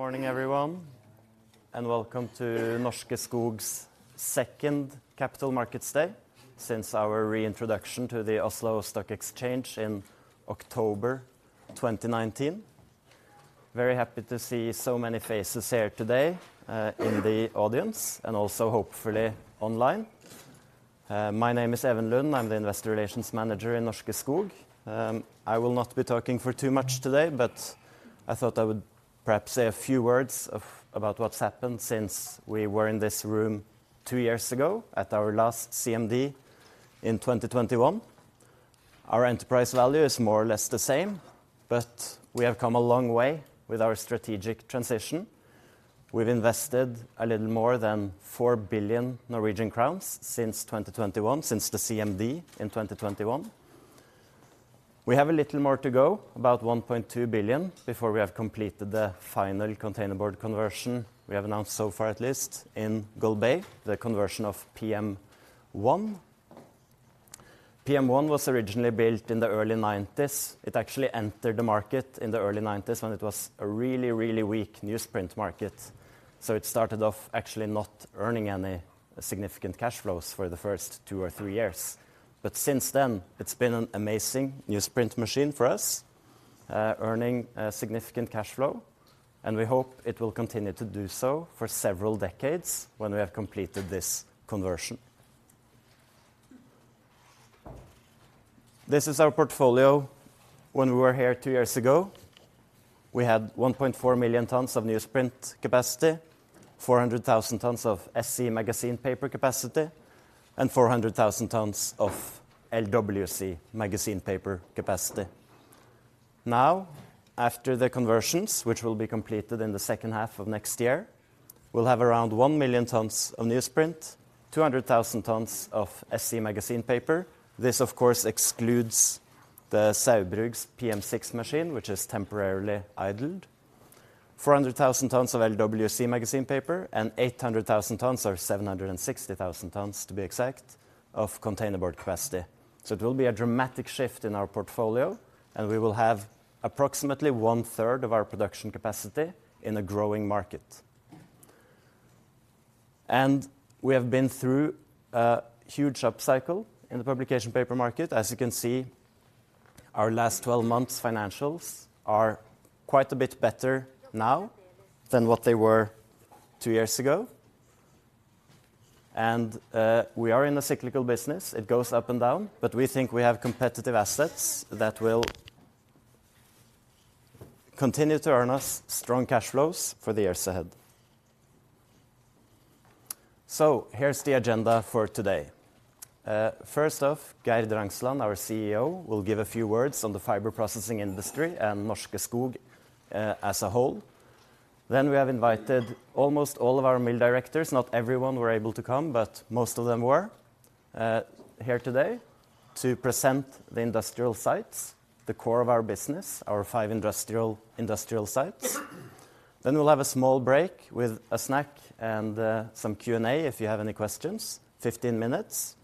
Good morning, everyone, and welcome to Norske Skog's second Capital Markets Day since our reintroduction to the Oslo Stock Exchange in October 2019. Very happy to see so many faces here today, in the audience and also hopefully online. My name is Even Lund. I'm the Investor Relations Manager in Norske Skog. I will not be talking for too much today, but I thought I would perhaps say a few words of, about what's happened since we were in this room two years ago at our last CMD in 2021. Our enterprise value is more or less the same, but we have come a long way with our strategic transition. We've invested a little more than 4 billion Norwegian crowns since 2021, since the CMD in 2021. We have a little more to go, about 1.2 billion, before we have completed the final containerboard conversion we have announced so far, at least in Golbey, the conversion of PM1. PM1 was originally built in the early 1990s. It actually entered the market in the early 1990s when it was a really, really weak newsprint market, so it started off actually not earning any significant cash flows for the first two or three years. But since then, it's been an amazing newsprint machine for us, earning significant cash flow, and we hope it will continue to do so for several decades when we have completed this conversion. This is our portfolio when we were here two years ago. We had 1.4 million tons of newsprint capacity, 400,000 tons of SC magazine paper capacity, and 400,000 tons of LWC magazine paper capacity. Now, after the conversions, which will be completed in the second half of next year, we'll have around 1 million tons of newsprint, 200,000 tons of SC magazine paper. This, of course, excludes the Saugbrugs PM6 machine, which is temporarily idled. 400,000 tons of LWC magazine paper, and 800,000 tons, or 760,000 tons, to be exact, of containerboard capacity. So it will be a dramatic shift in our portfolio, and we will have approximately one third of our production capacity in a growing market. And we have been through a huge upcycle in the publication paper market. As you can see, our last 12 months financials are quite a bit better now than what they were two years ago. We are in a cyclical business. It goes up and down, but we think we have competitive assets that will continue to earn us strong cash flows for the years ahead. Here's the agenda for today. First off, Geir Drangsland, our CEO, will give a few words on the fiber processing industry and Norske Skog as a whole. We have invited almost all of our mill directors, not everyone were able to come, but most of them were here today to present the industrial sites, the core of our business, our five industrial, industrial sites. We'll have a small break with a snack and some Q&A if you have any questions, 15 minutes.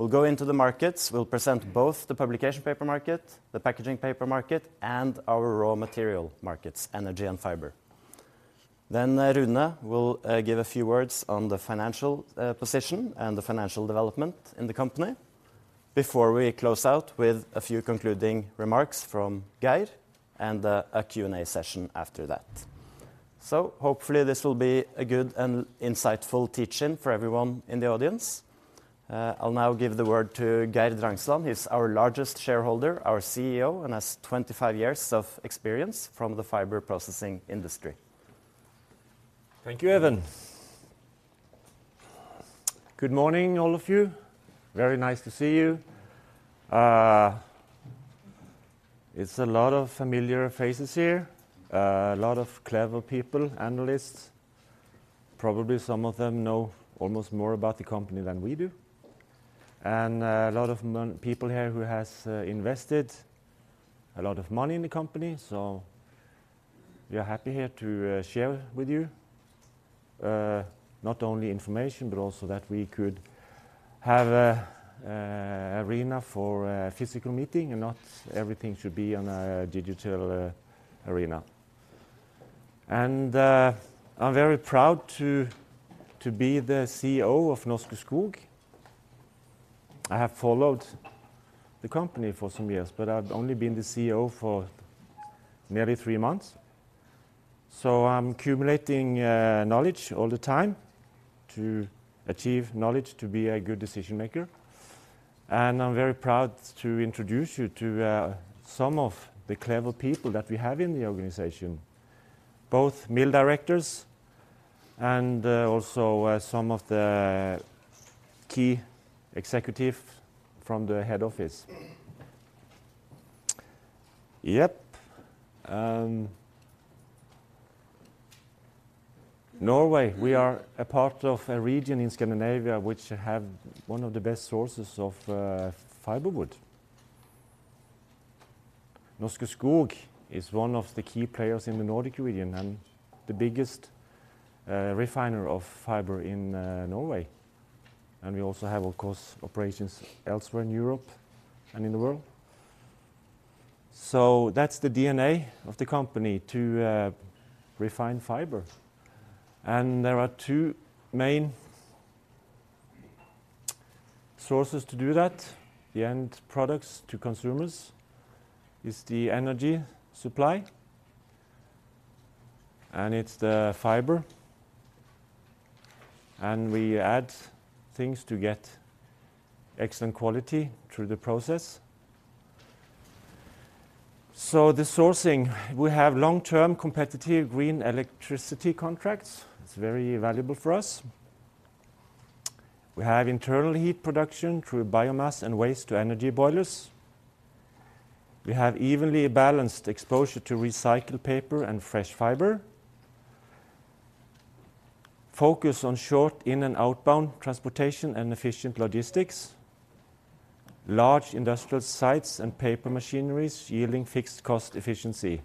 We'll go into the markets. We'll present both the publication paper market, the packaging paper market, and our raw material markets, energy and fiber. Then Rune will give a few words on the financial position and the financial development in the company, before we close out with a few concluding remarks from Geir and a Q&A session after that. So hopefully this will be a good and insightful teach-in for everyone in the audience. I'll now give the word to Geir Drangsland. He's our largest shareholder, our CEO, and has 25 years of experience from the fiber processing industry. Thank you, Even. Good morning, all of you. Very nice to see you. It's a lot of familiar faces here, a lot of clever people, analysts. Probably some of them know almost more about the company than we do. And, a lot of people here who has invested a lot of money in the company, so we are happy here to share with you not only information, but also that we could have a arena for a physical meeting, and not everything should be on a digital arena. And, I'm very proud to be the CEO of Norske Skog. I have followed the company for some years, but I've only been the CEO for nearly three months, so I'm cumulating knowledge all the time to achieve knowledge, to be a good decision maker. I'm very proud to introduce you to some of the clever people that we have in the organization, both mill directors and also some of the key executive from the head office. Yep... Norway, we are a part of a region in Scandinavia which have one of the best sources of fiberwood. Norske Skog is one of the key players in the Nordic region and the biggest refiner of fiber in Norway. We also have, of course, operations elsewhere in Europe and in the world.... So that's the DNA of the company, to refine fiber. There are two main sources to do that. The end products to consumers is the energy supply, and it's the fiber, and we add things to get excellent quality through the process. So the sourcing, we have long-term competitive green electricity contracts. It's very valuable for us. We have internal heat production through biomass and waste-to-energy boilers. We have evenly balanced exposure to recycled paper and fresh fiber. Focus on short in-and-outbound transportation and efficient logistics, large industrial sites and paper machineries yielding fixed cost efficiency.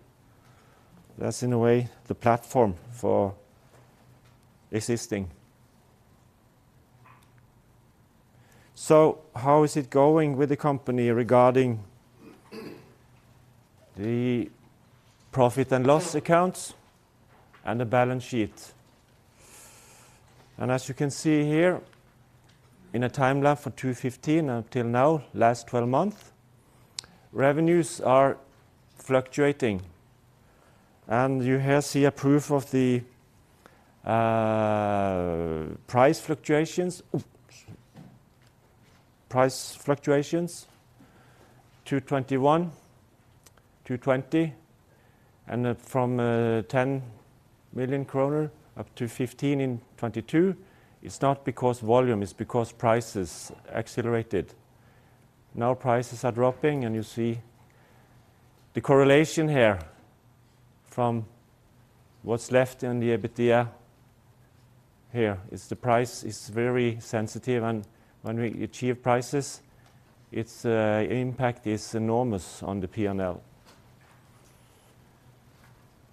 That's in a way, the platform for existing. So how is it going with the company regarding the profit and loss accounts and the balance sheet? And as you can see here, in a timeline for 2015 until now, last twelve months, revenues are fluctuating, and you here see a proof of the, price fluctuations, price fluctuations, 2021, 2020, and then from 10 million kroner up to 15 million in 2022. It's not because volume, it's because prices accelerated. Now prices are dropping, and you see the correlation here from what's left in the EBITDA. Here, it's the price is very sensitive, and when we achieve prices, its impact is enormous on the P&L.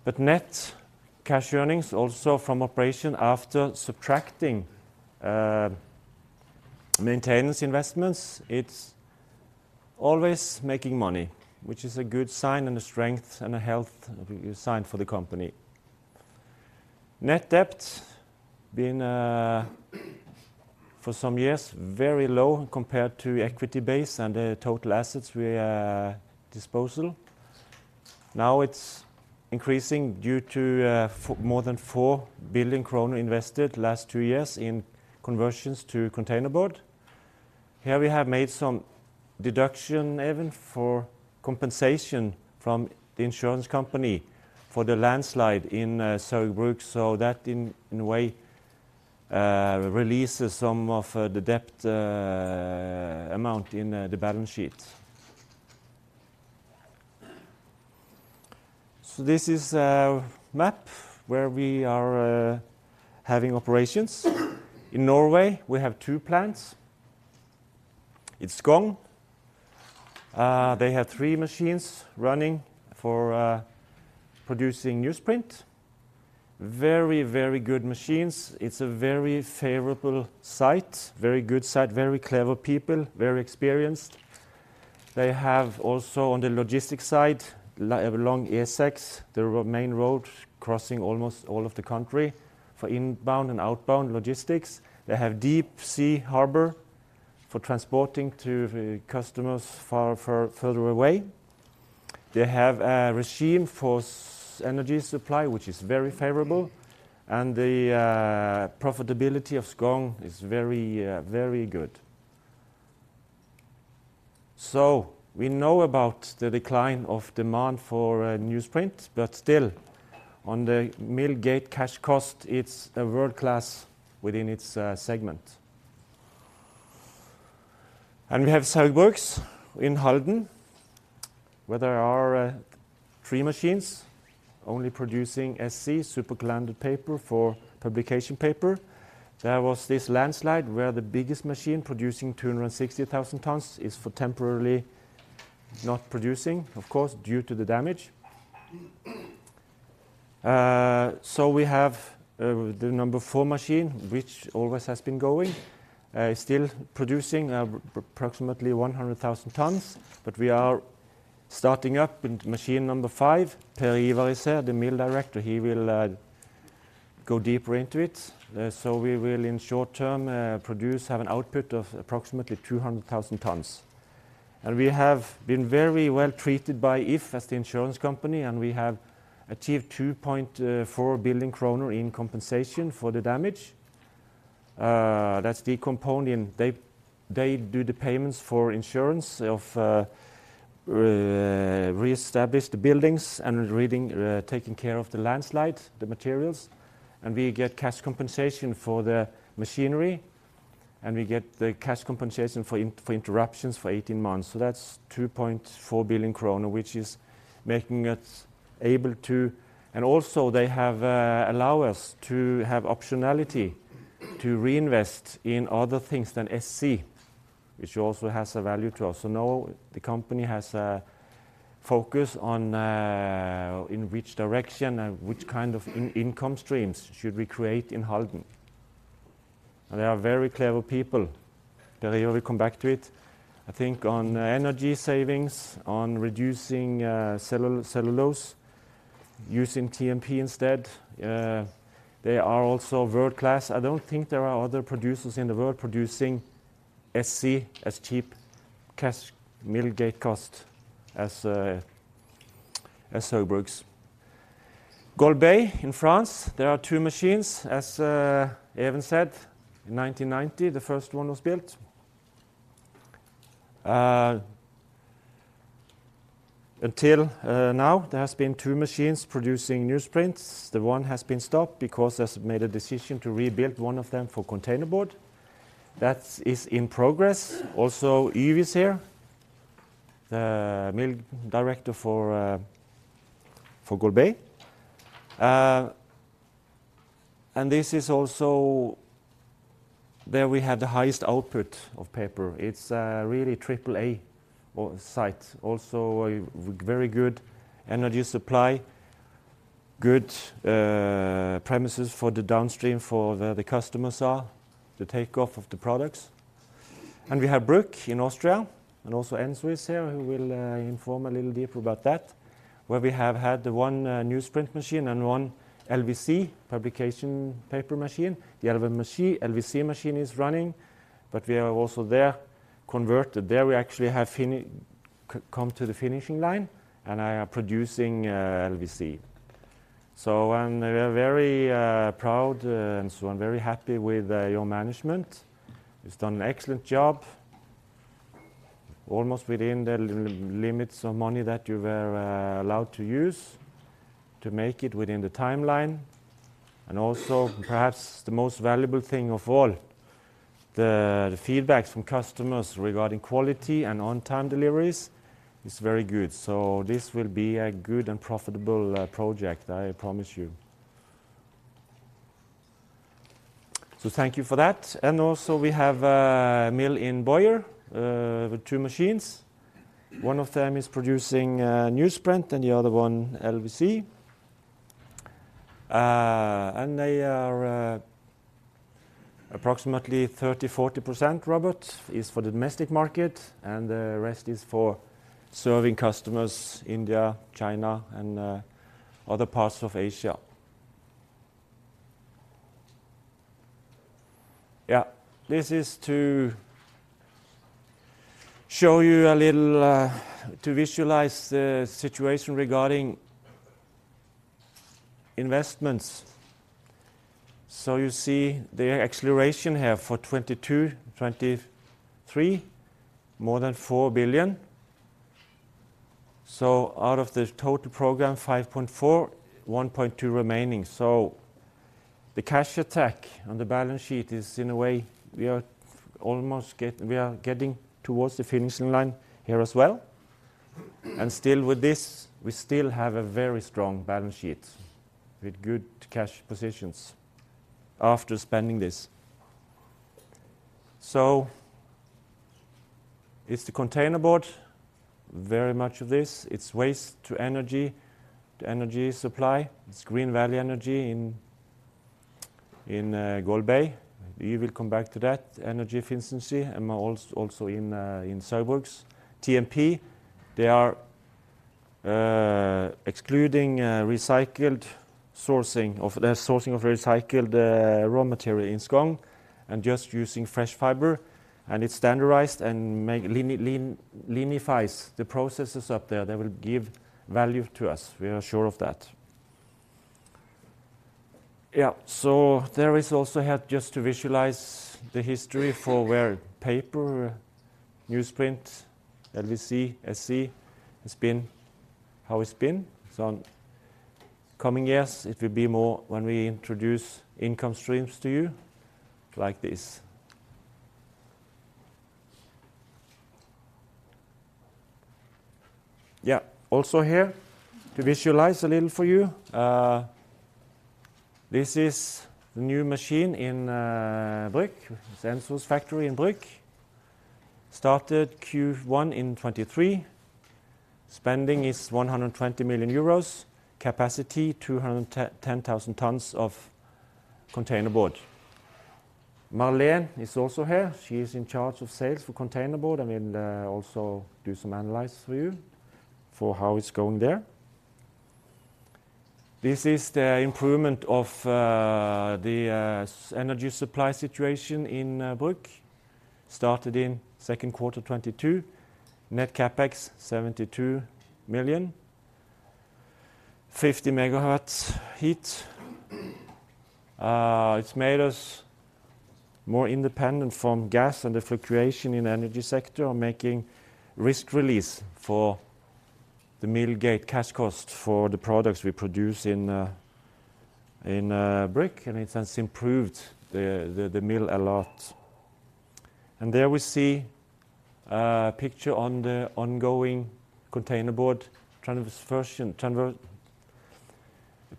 But net cash earnings also from operation after subtracting maintenance investments, it's always making money, which is a good sign and a strength and a health sign for the company. Net debt been for some years very low compared to equity base and the total assets we disposal. Now, it's increasing due to more than 4 billion kroner invested last two years in conversions to containerboard. Here, we have made some deduction even for compensation from the insurance company for the landslide in Sarpsborg, so that in a way releases some of the debt amount in the balance sheet. So this is a map where we are having operations. In Norway, we have two plants. It's Skogn. They have three machines running for producing newsprint. Very, very good machines. It's a very favorable site, very good site, very clever people, very experienced. They have also, on the logistics side, along E6, the main road crossing almost all of the country for inbound and outbound logistics. They have deep sea harbor for transporting to the customers far, far, further away. They have a regime for energy supply, which is very favorable, and the profitability of Skogn is very, very good. So we know about the decline of demand for newsprint, but still, on the mill gate cash cost, it's a world-class within its segment. And we have Sarpsborg in Halden, where there are three machines only producing SC, supercalendered paper for publication paper. There was this landslide, where the biggest machine producing 260,000 tons is for temporarily not producing, of course, due to the damage. So we have the number four machine, which always has been going, still producing approximately 100,000 tons, but we are starting up with machine number five. Per Ivar is here, the mill director. He will go deeper into it. So we will, in short term, produce, have an output of approximately 200,000 tons. And we have been very well treated by If as the insurance company, and we have achieved 2.4 billion kroner in compensation for the damage. That's the component. They do the payments for insurance of re-establish the buildings and reading, taking care of the landslide, the materials, and we get cash compensation for the machinery, and we get the cash compensation for interruptions for 18 months. So that's 2.4 billion kroner, which is making us able to... And also, they have allow us to have optionality to reinvest in other things than SC, which also has a value to us. So now, the company has a focus on in which direction and which kind of income streams should we create in Halden? And they are very clever people. They, we will come back to it. I think on energy savings, on reducing cellulose, using TMP instead, they are also world-class. I don't think there are other producers in the world producing SC as cheap cash mill gate cost as Saugbrugs. Golbey in France, there are two machines, as Even said, in 1990, the first one was built. Until now, there has been two machines producing newsprint. The one has been stopped because has made a decision to rebuild one of them for containerboard. That is in progress. Also, Yves is here, the mill director for Golbey. And this is also where we have the highest output of paper. It's really AAA site. Also, a very good energy supply, good premises for the downstream, for the customers, the take-off of the products. We have Bruck in Austria, and also Enzo is here, who will inform a little deeper about that, where we have had the one newsprint machine and one LWC publication paper machine. The other machine, LWC machine is running, but we have also there converted. There, we actually have come to the finishing line, and are producing LWC. So, we are very proud, and so I'm very happy with your management. You've done an excellent job, almost within the limits of money that you were allowed to use to make it within the timeline. And also, perhaps the most valuable thing of all, the feedbacks from customers regarding quality and on-time deliveries is very good. So this will be a good and profitable project, I promise you. So thank you for that. Also, we have a mill in Boyer with two machines. One of them is producing newsprint, and the other one, LWC. And they are approximately 30%-40%, Robert, for the domestic market, and the rest is for serving customers in India, China, and other parts of Asia. Yeah, this is to show you a little, to visualize the situation regarding investments. So you see the acceleration here for 2022, 2023, more than 4 billion. So out of the total program, 5.4 billion, 1.2 billion remaining. So the cash impact on the balance sheet is in a way, we are almost getting towards the finishing line here as well. And still with this, we still have a very strong balance sheet with good cash positions after spending this. So it's the containerboard, very much of this. It's waste to energy, to energy supply. It's Green Valley Energy in Golbey. We will come back to that, energy efficiency, and also in Saugbrugs. TMP, they are excluding the sourcing of recycled raw material in Skogn, and just using fresh fiber, and it's standardized and make lean leanifies the processes up there. That will give value to us. We are sure of that. Yeah, so there is also here, just to visualize the history for where paper, newsprint, LWC, SC, has been, how it's been. So in coming years, it will be more when we introduce income streams to you like this. Yeah, also here, to visualize a little for you, this is the new machine in Bruck, Styria factory in Bruck. Started Q1 2023. Spending is 120 million euros. Capacity, 210,000 tons of containerboard. Marleen is also here. She is in charge of sales for containerboard, and will also do some analysis for you for how it's going there. This is the improvement of the energy supply situation in Bruck. Started in second quarter 2022. Net CapEx, EUR 72 million. 50 MW heat. It's made us more independent from gas and the fluctuation in energy sector, making risk release for the mill gate cash cost for the products we produce in Bruck, and it has improved the mill a lot. And there we see a picture on the ongoing containerboard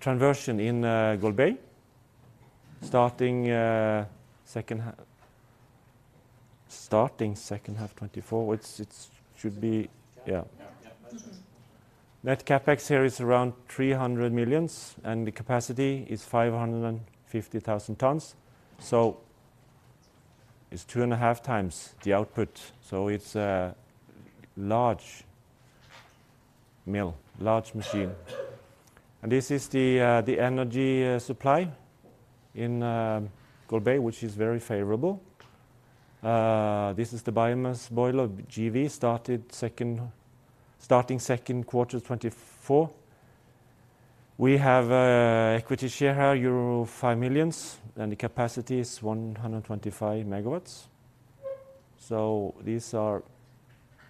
conversion in Golbey, starting second half 2024, which it should be, yeah. Yeah, yeah, that's it. Net CapEx here is around 300 million, and the capacity is 550,000 tons. So it's 2.5x the output, so it's a large mill, large machine. And this is the energy supply in Golbey, which is very favorable. This is the biomass boiler, GV, starting second quarter 2024. We have an equity share here, euro 5 million, and the capacity is 125 MW. So these are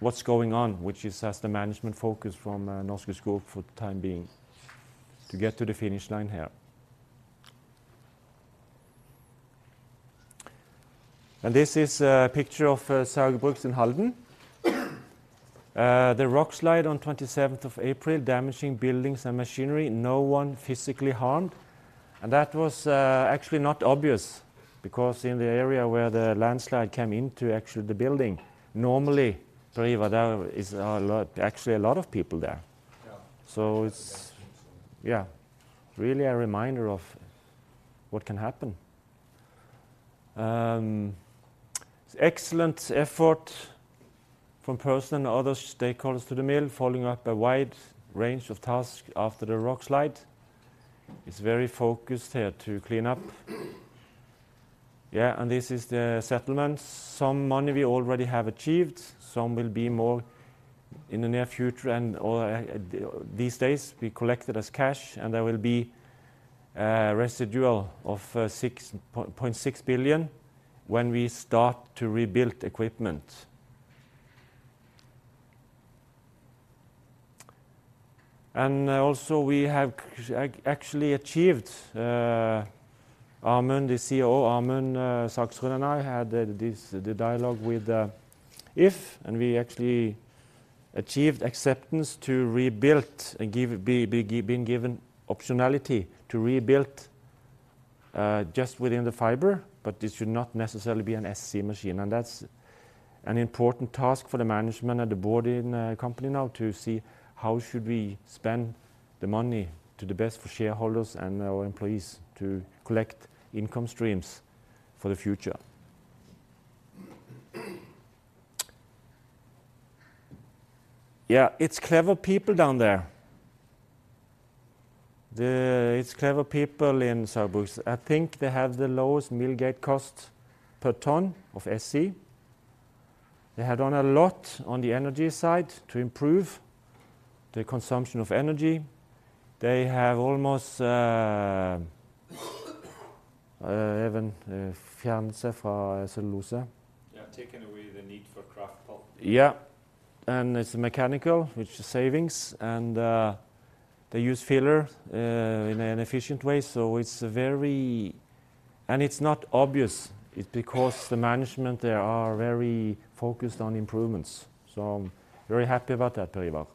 what's going on, which is as the management focus from Norske Skog for the time being, to get to the finish line here. And this is a picture of Saugbrugs in Halden. The rock slide on 27th of April, damaging buildings and machinery, no one physically harmed. That was actually not obvious, because in the area where the landslide came into actually the building, normally, Per Ivar, there is a lot, actually a lot of people there. Yeah. So it's, yeah, really a reminder of what can happen. Excellent effort from personnel and other stakeholders to the mill, following up a wide range of tasks after the rockslide. It's very focused here to clean up. Yeah, and this is the settlement. Some money we already have achieved, some will be more in the near future, and, or, these days, we collect it as cash, and there will be residual of 6.6 billion when we start to rebuild equipment. And also, we have actually achieved, Amund, the CEO, Amund Saxrud, and I had the, this, the dialogue with If, and we actually achieved acceptance to rebuild and being given optionality to rebuild just within the fiber, but this should not necessarily be an SC machine. That's an important task for the management and the board in company now to see how should we spend the money to the best for shareholders and our employees to collect income streams for the future. Yeah, it's clever people down there. It's clever people in Saugbrugs. I think they have the lowest mill gate cost per ton of SC. They had done a lot on the energy side to improve the consumption of energy. They have almost even fjernse fra cellulose. Yeah, taken away the need for kraft pulp. Yeah, and it's mechanical, which is savings, and they use filler in an efficient way, so it's very... And it's not obvious. It's because the management there are very focused on improvements, so I'm very happy about that, Per Ivar.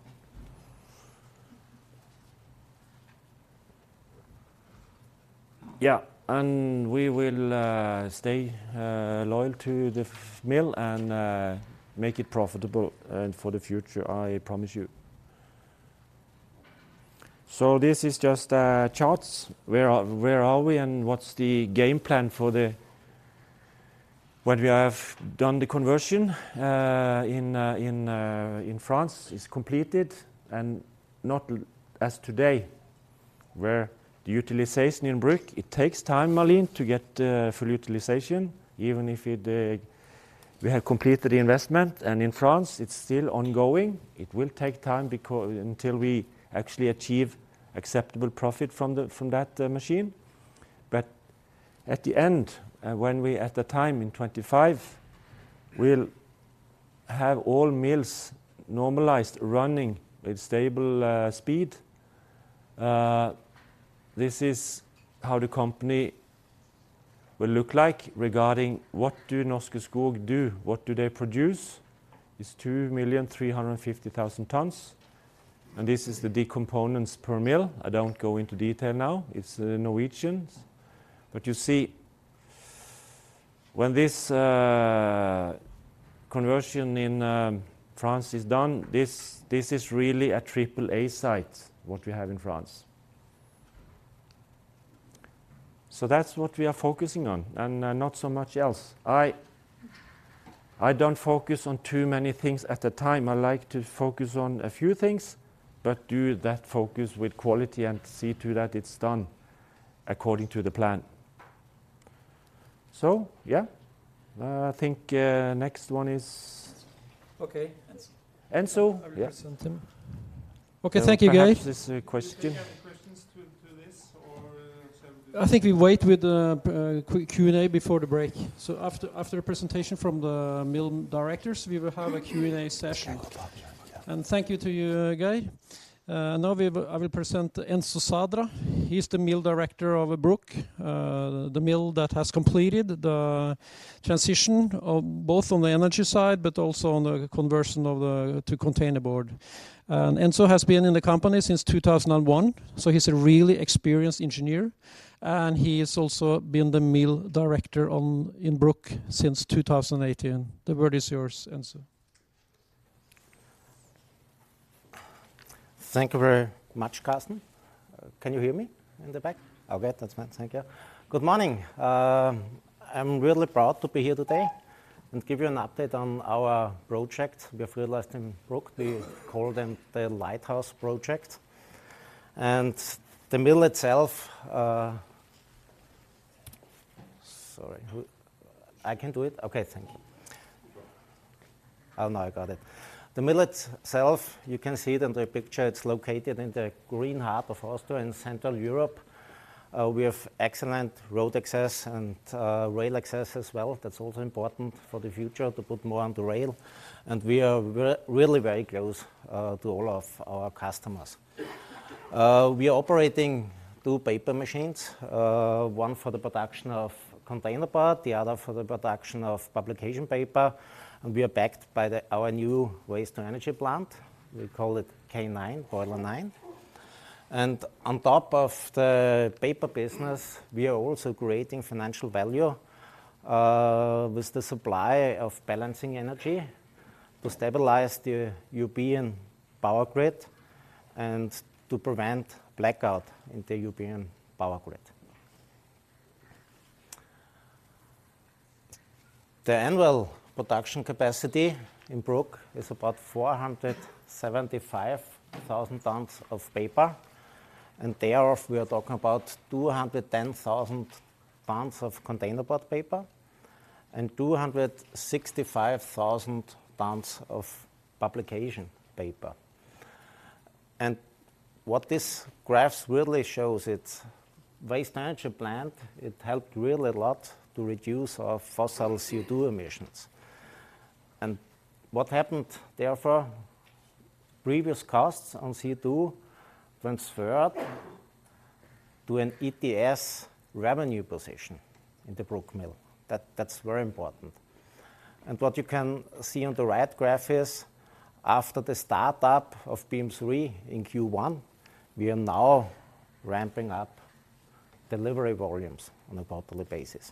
Yeah, and we will stay loyal to the mill and make it profitable for the future, I promise you. So this is just charts. Where are we, and what's the game plan for the... When we have done the conversion in France, it's completed, and not as today, where the utilization in Bruck, it takes time, Marleen, to get full utilization, even if we have completed the investment, and in France, it's still ongoing. It will take time because until we actually achieve acceptable profit from that machine. But at the end, when we, at the time in 2025, we'll have all mills normalized, running with stable speed, this is how the company will look like regarding what do Norske Skog do, what do they produce? It's 2,350,000 tons, and this is the key components per mill. I don't go into detail now. It's the Norwegians. But you see, when this conversion in France is done, this, this is really a AAA site, what we have in France. So that's what we are focusing on, and not so much else. I, I don't focus on too many things at a time. I like to focus on a few things, but do that focus with quality and see to it that it's done according to the plan. So, yeah, I think next one is- Okay, Enzo. Enzo, yeah. I present him. Okay, thank you, Guy. I have this question. Do you have any questions to this or shall we- I think we wait with the Q&A before the break. So after a presentation from the mill directors, we will have a Q&A session. And thank you to you, Guy. Now I will present Enzo Zadra. He's the mill director of Bruck, the mill that has completed the transition of both on the energy side, but also on the conversion of the to containerboard. And Enzo has been in the company since 2001, so he's a really experienced engineer, and he has also been the mill director in Bruck since 2018. The word is yours, Enzo.... Thank you very much, Carsten. Can you hear me in the back? Okay, that's fine. Thank you. Good morning. I'm really proud to be here today and give you an update on our project we have realized in Bruck. We call them the Lighthouse Project. And the mill itself, sorry, who—I can do it? Okay, thank you. Oh, no, I got it. The mill itself, you can see it in the picture, it's located in the green heart of Austria, in Central Europe. We have excellent road access and rail access as well. That's also important for the future, to put more on the rail, and we are really very close to all of our customers. We are operating two paper machines, one for the production of containerboard, the other for the production of publication paper, and we are backed by the, our new waste-to-energy plant. We call it K9 Boiler Line. And on top of the paper business, we are also creating financial value with the supply of balancing energy to stabilize the European power grid and to prevent blackout in the European power grid. The annual production capacity in Bruck is about 475,000 tons of paper, and thereof, we are talking about 210,000 tons of containerboard paper and 265,000 tons of publication paper. And what this graph really shows, it's waste-to-energy plant. It helped really a lot to reduce our fossil CO2 emissions. What happened therefore: previous costs on CO2 transferred to an ETS revenue position in the Bruck mill. That, that's very important. And what you can see on the right graph is, after the startup of BM3 in Q1, we are now ramping up delivery volumes on a quarterly basis.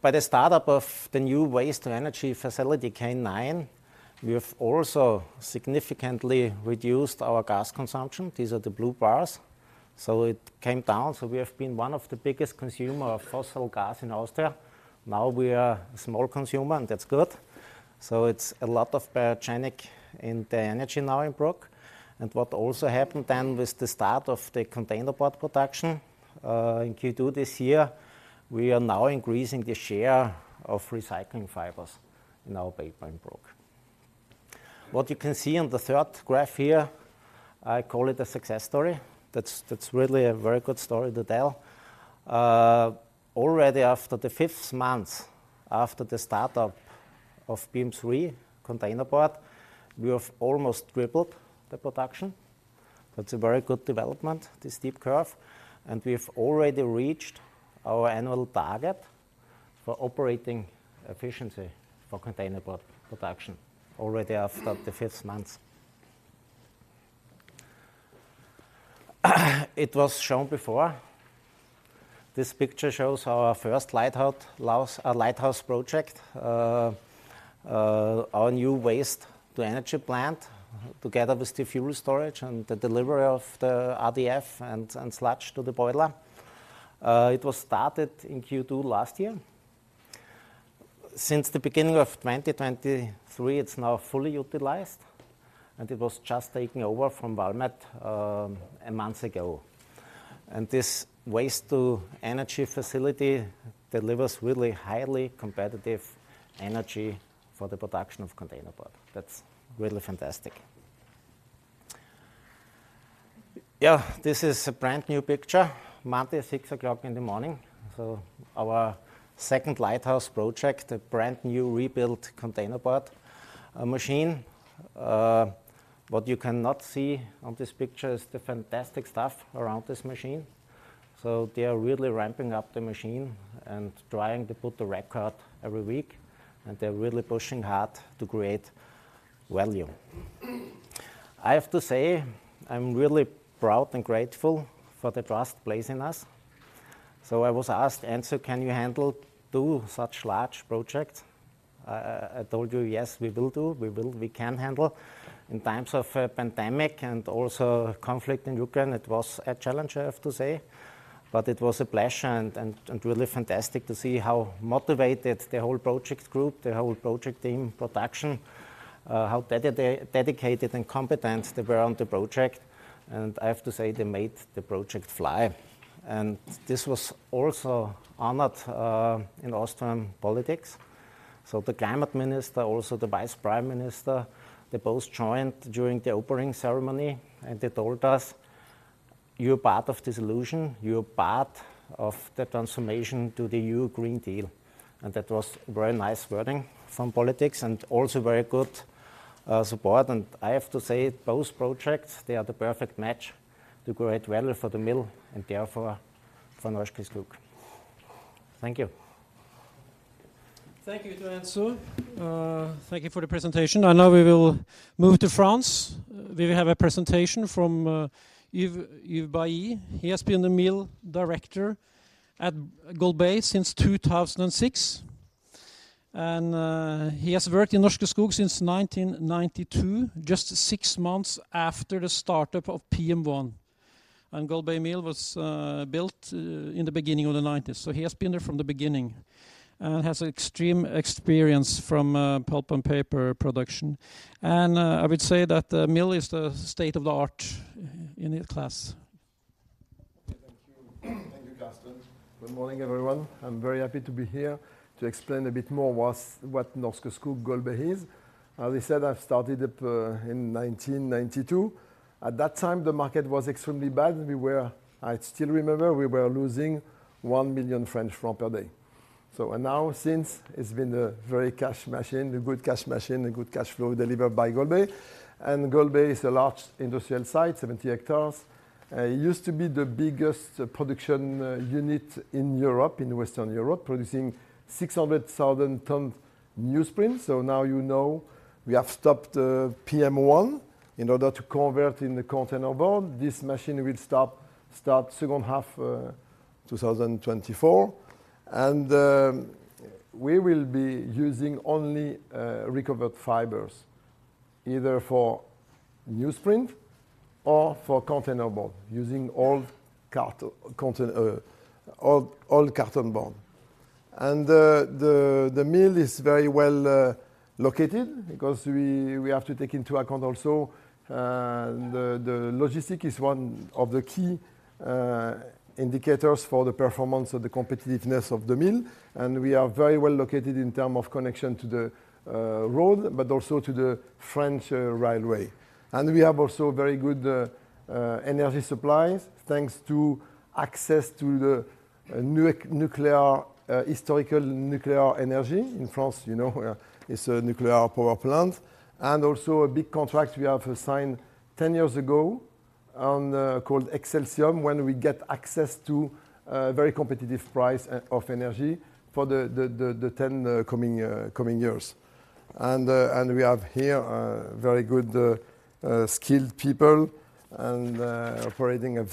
By the startup of the new waste-to-energy facility, K9, we have also significantly reduced our gas consumption. These are the blue bars. So it came down. So we have been one of the biggest consumer of fossil gas in Austria. Now, we are a small consumer, and that's good. So it's a lot of biogenic in the energy now in Bruck. And what also happened then, with the start of the containerboard production in Q2 this year, we are now increasing the share of recycling fibers in our paper in Bruck. What you can see on the third graph here, I call it a success story. That's, that's really a very good story to tell. Already after the 5th month, after the startup of BIM3 containerboard, we have almost tripled the production. That's a very good development, this steep curve, and we've already reached our annual target for operating efficiency for containerboard production already after the 5th month. It was shown before. This picture shows our first lighthouse project, our new waste-to-energy plant, together with the fuel storage and the delivery of the RDF and sludge to the boiler. It was started in Q2 last year. Since the beginning of 2023, it's now fully utilized, and it was just taken over from Valmet, a month ago. And this waste-to-energy facility delivers really highly competitive energy for the production of containerboard. That's really fantastic. Yeah, this is a brand-new picture, Monday, 6:00 A.M. So our second Lighthouse Project, a brand-new, rebuilt containerboard machine. What you cannot see on this picture is the fantastic staff around this machine. So they are really ramping up the machine and trying to put the record every week, and they're really pushing hard to create value. I have to say, I'm really proud and grateful for the trust placed in us. So I was asked, "Enzo, can you handle two such large projects?" I told you, "Yes, we will do. We can handle." In times of a pandemic and also conflict in Ukraine, it was a challenge, I have to say, but it was a pleasure and really fantastic to see how motivated the whole project group, the whole project team, production, how dedicated and competent they were on the project. And I have to say, they made the project fly. And this was also honored in Austrian politics. So the climate minister, also the vice prime minister, they both joined during the opening ceremony, and they told us, "You're part of this solution. You're part of the transformation to the EU Green Deal." And that was very nice wording from politics and also very good support. And I have to say, both projects, they are the perfect match to create value for the mill and therefore for Norske Skog. Thank you. Thank you, Enzo. Thank you for the presentation. Now we will move to France. We will have a presentation from Yves Bailly. He has been the mill director at Golbey since 2006, and he has worked in Norske Skog since 1992, just six months after the startup of PM1. Golbey mill was built in the beginning of the 1990s, so he has been there from the beginning, and has extreme experience from pulp and paper production. I would say that the mill is the state-of-the-art in its class. Thank you. Thank you, Carsten. Good morning, everyone. I'm very happy to be here to explain a bit more what Norske Skog Golbey is. As he said, I've started it in 1992. At that time, the market was extremely bad. We were... I still remember, we were losing FRF 1 million per day. And now, since, it's been a very cash machine, a good cash machine, a good cash flow delivered by Golbey. And Golbey is a large industrial site, 70 hectares. It used to be the biggest production unit in Europe, in Western Europe, producing 600,000 tons newsprint. So now you know, we have stopped PM1 in order to convert in the containerboard. This machine will start second half 2024, and we will be using only recovered fibers, either for newsprint or for containerboard, using old containerboard. And the mill is very well located because we have to take into account also the logistics is one of the key indicators for the performance or the competitiveness of the mill. And we are very well located in terms of connection to the road, but also to the French railway. And we have also very good energy supplies, thanks to access to the nuclear historical nuclear energy. In France, you know, where is a nuclear power plant. Also a big contract we have signed 10 years ago, one called Exeltium, when we get access to very competitive price of energy for the 10 coming years. And we have here very good skilled people operating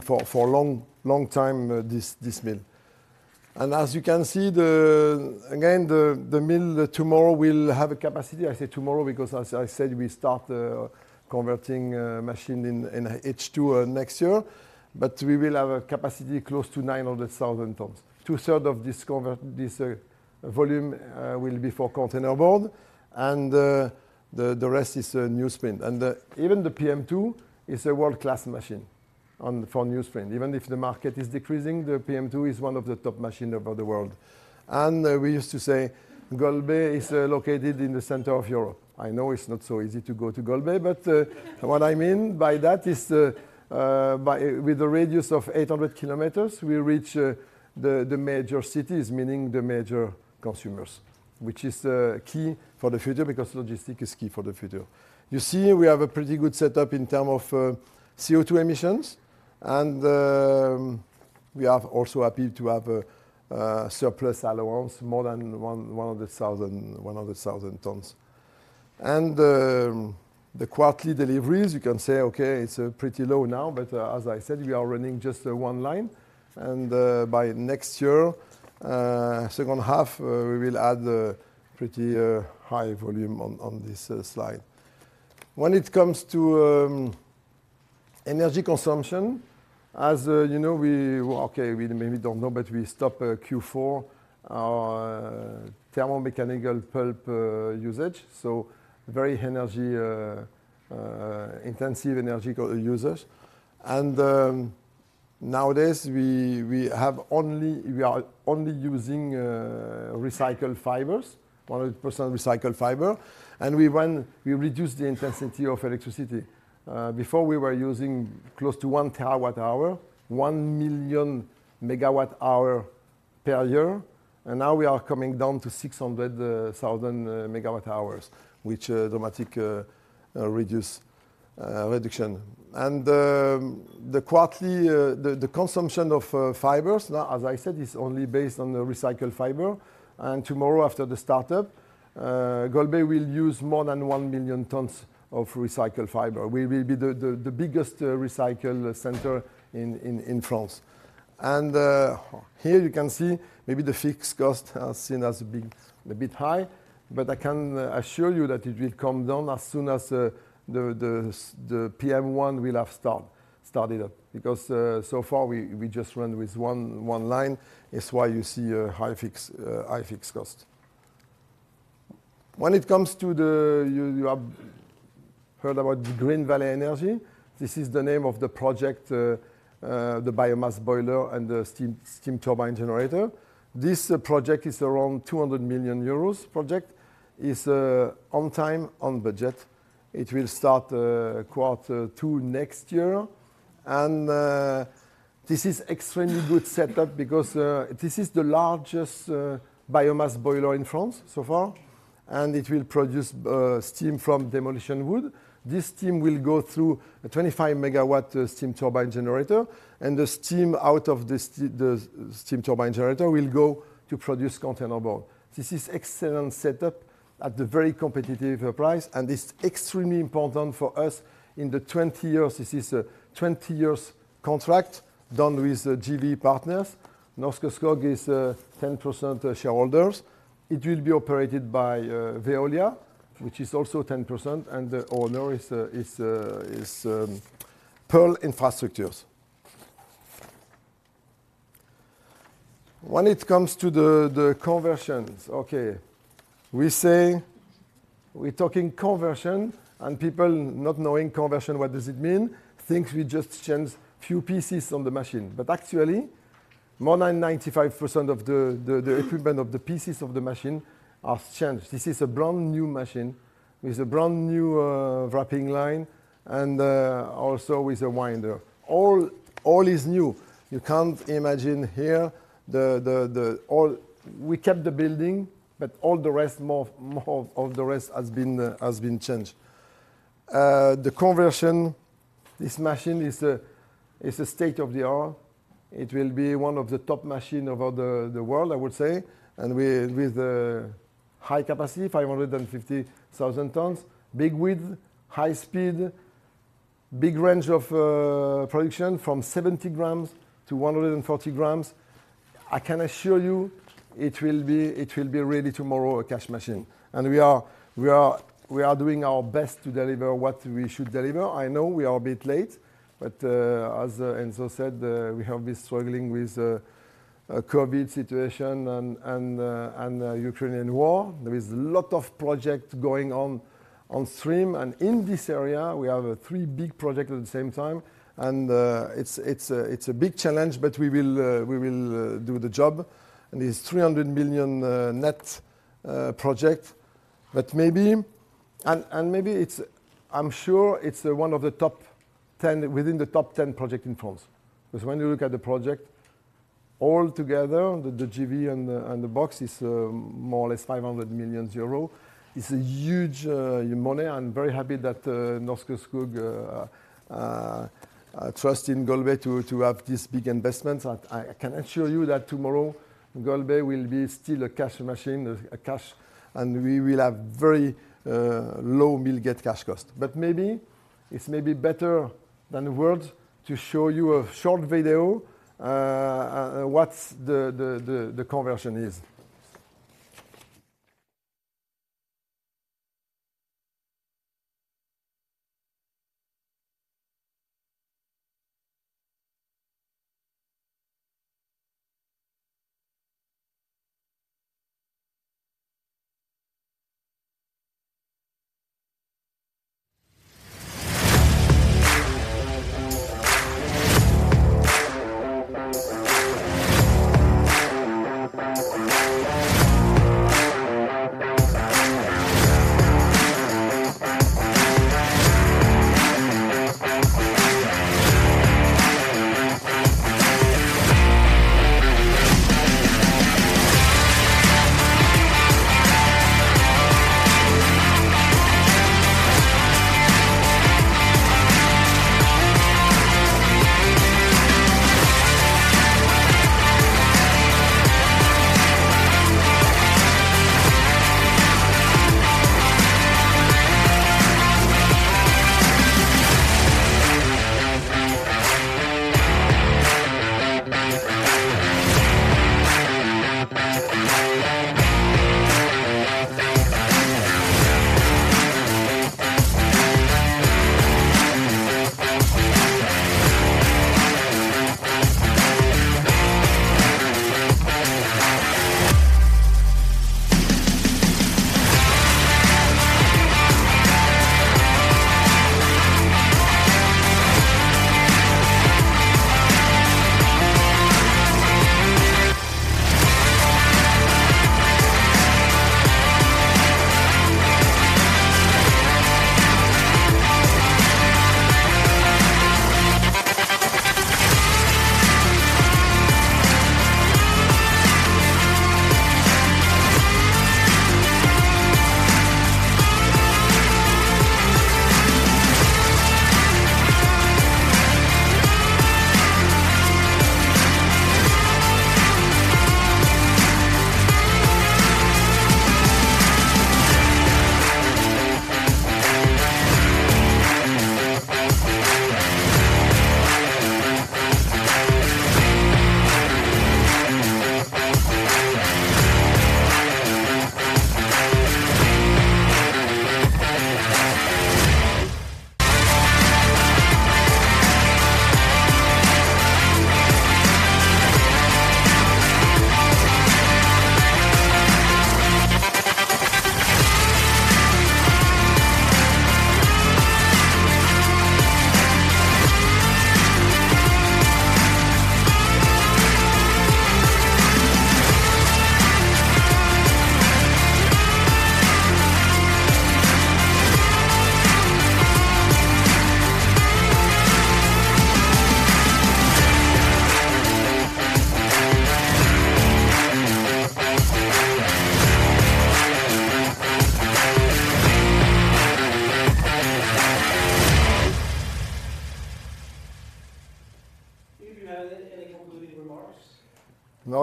for a long, long time this mill. And as you can see, again, the mill tomorrow will have a capacity. I say tomorrow because, as I said, we start converting machine in H2 next year, but we will have a capacity close to 900,000 tons. Two-thirds of this converted volume will be for containerboard, and the rest is newsprint. And even the PM2 is a world-class machine for newsprint. Even if the market is decreasing, the PM2 is one of the top machine over the world. We used to say, Golbey is located in the center of Europe. I know it's not so easy to go to Golbey, but what I mean by that is, with a radius of 800 km, we reach the major cities, meaning the major consumers, which is key for the future because logistic is key for the future. You see, we have a pretty good setup in term of CO2 emissions, and we have also happy to have a surplus allowance, more than 100,000 tons. The quarterly deliveries, you can say, okay, it's pretty low now, but as I said, we are running just one line. By next year, second half, we will add a pretty high volume on this slide. When it comes to energy consumption, as you know, we maybe don't know, but we stop Q4 our thermomechanical pulp usage, so very energy intensive energy users. Nowadays, we are only using recycled fibers, 100% recycled fiber, and we reduce the intensity of electricity. Before we were using close to 1 TWh, 1,000,000 MWh per year, and now we are coming down to 600,000 MWh, which dramatic reduction. The quarterly consumption of fibers, now, as I said, is only based on the recycled fiber. Tomorrow, after the startup, Golbey will use more than 1 million tons of recycled fiber. We will be the biggest recycling center in France. Here you can see maybe the fixed cost are seen as being a bit high, but I can assure you that it will come down as soon as the PM1 will have started up, because so far we just run with one line. It's why you see a high fixed cost. When it comes to the... You have heard about the Green Valley Energy. This is the name of the project, the biomass boiler and the steam turbine generator. This project is around 200 million euros project. It's on time, on budget. It will start quarter two next year. This is extremely good setup because this is the largest biomass boiler in France so far, and it will produce steam from demolition wood. This steam will go through a 25 MW steam turbine generator, and the steam out of the steam turbine generator will go to produce containerboard. This is excellent setup at the very competitive price, and it's extremely important for us in the 20 years. This is a 20 years contract done with JV partners. Norske Skog is 10% shareholders. It will be operated by Veolia, which is also 10%, and the owner is Paprec Infrastructures. When it comes to the conversions, okay, we say we're talking conversion, and people not knowing conversion, what does it mean? think we just change few pieces on the machine. But actually, more than 95% of the equipment of the pieces of the machine are changed. This is a brand new machine, with a brand new wrapping line, and also with a winder. All is new. You can't imagine here the all we kept the building, but all the rest, more of the rest has been changed. The conversion, this machine is a state-of-the-art. It will be one of the top machine over the world, I would say. And with the high capacity, 550,000 tons, big width, high speed, big range of production, from 70 grams to 140 grams. I can assure you, it will be really tomorrow a cash machine. We are doing our best to deliver what we should deliver. I know we are a bit late, but as Enzo said, we have been struggling with COVID situation and Ukrainian war. There is a lot of project going on, on stream, and in this area, we have three big project at the same time, and it's a big challenge, but we will do the job. And it's 300 million net project. But maybe, and maybe it's—I'm sure it's the one of the top ten, within the top ten project in France. Because when you look at the project, all together, the JV and the box is more or less 500 million euro. It's a huge money. I'm very happy that Norske Skog trust in Golbey to have this big investment. I can assure you that tomorrow, Golbey will be still a cash machine, a cash, and we will have very low mill gate cash cost. But maybe, it's maybe better than words to show you a short video what's the conversion is.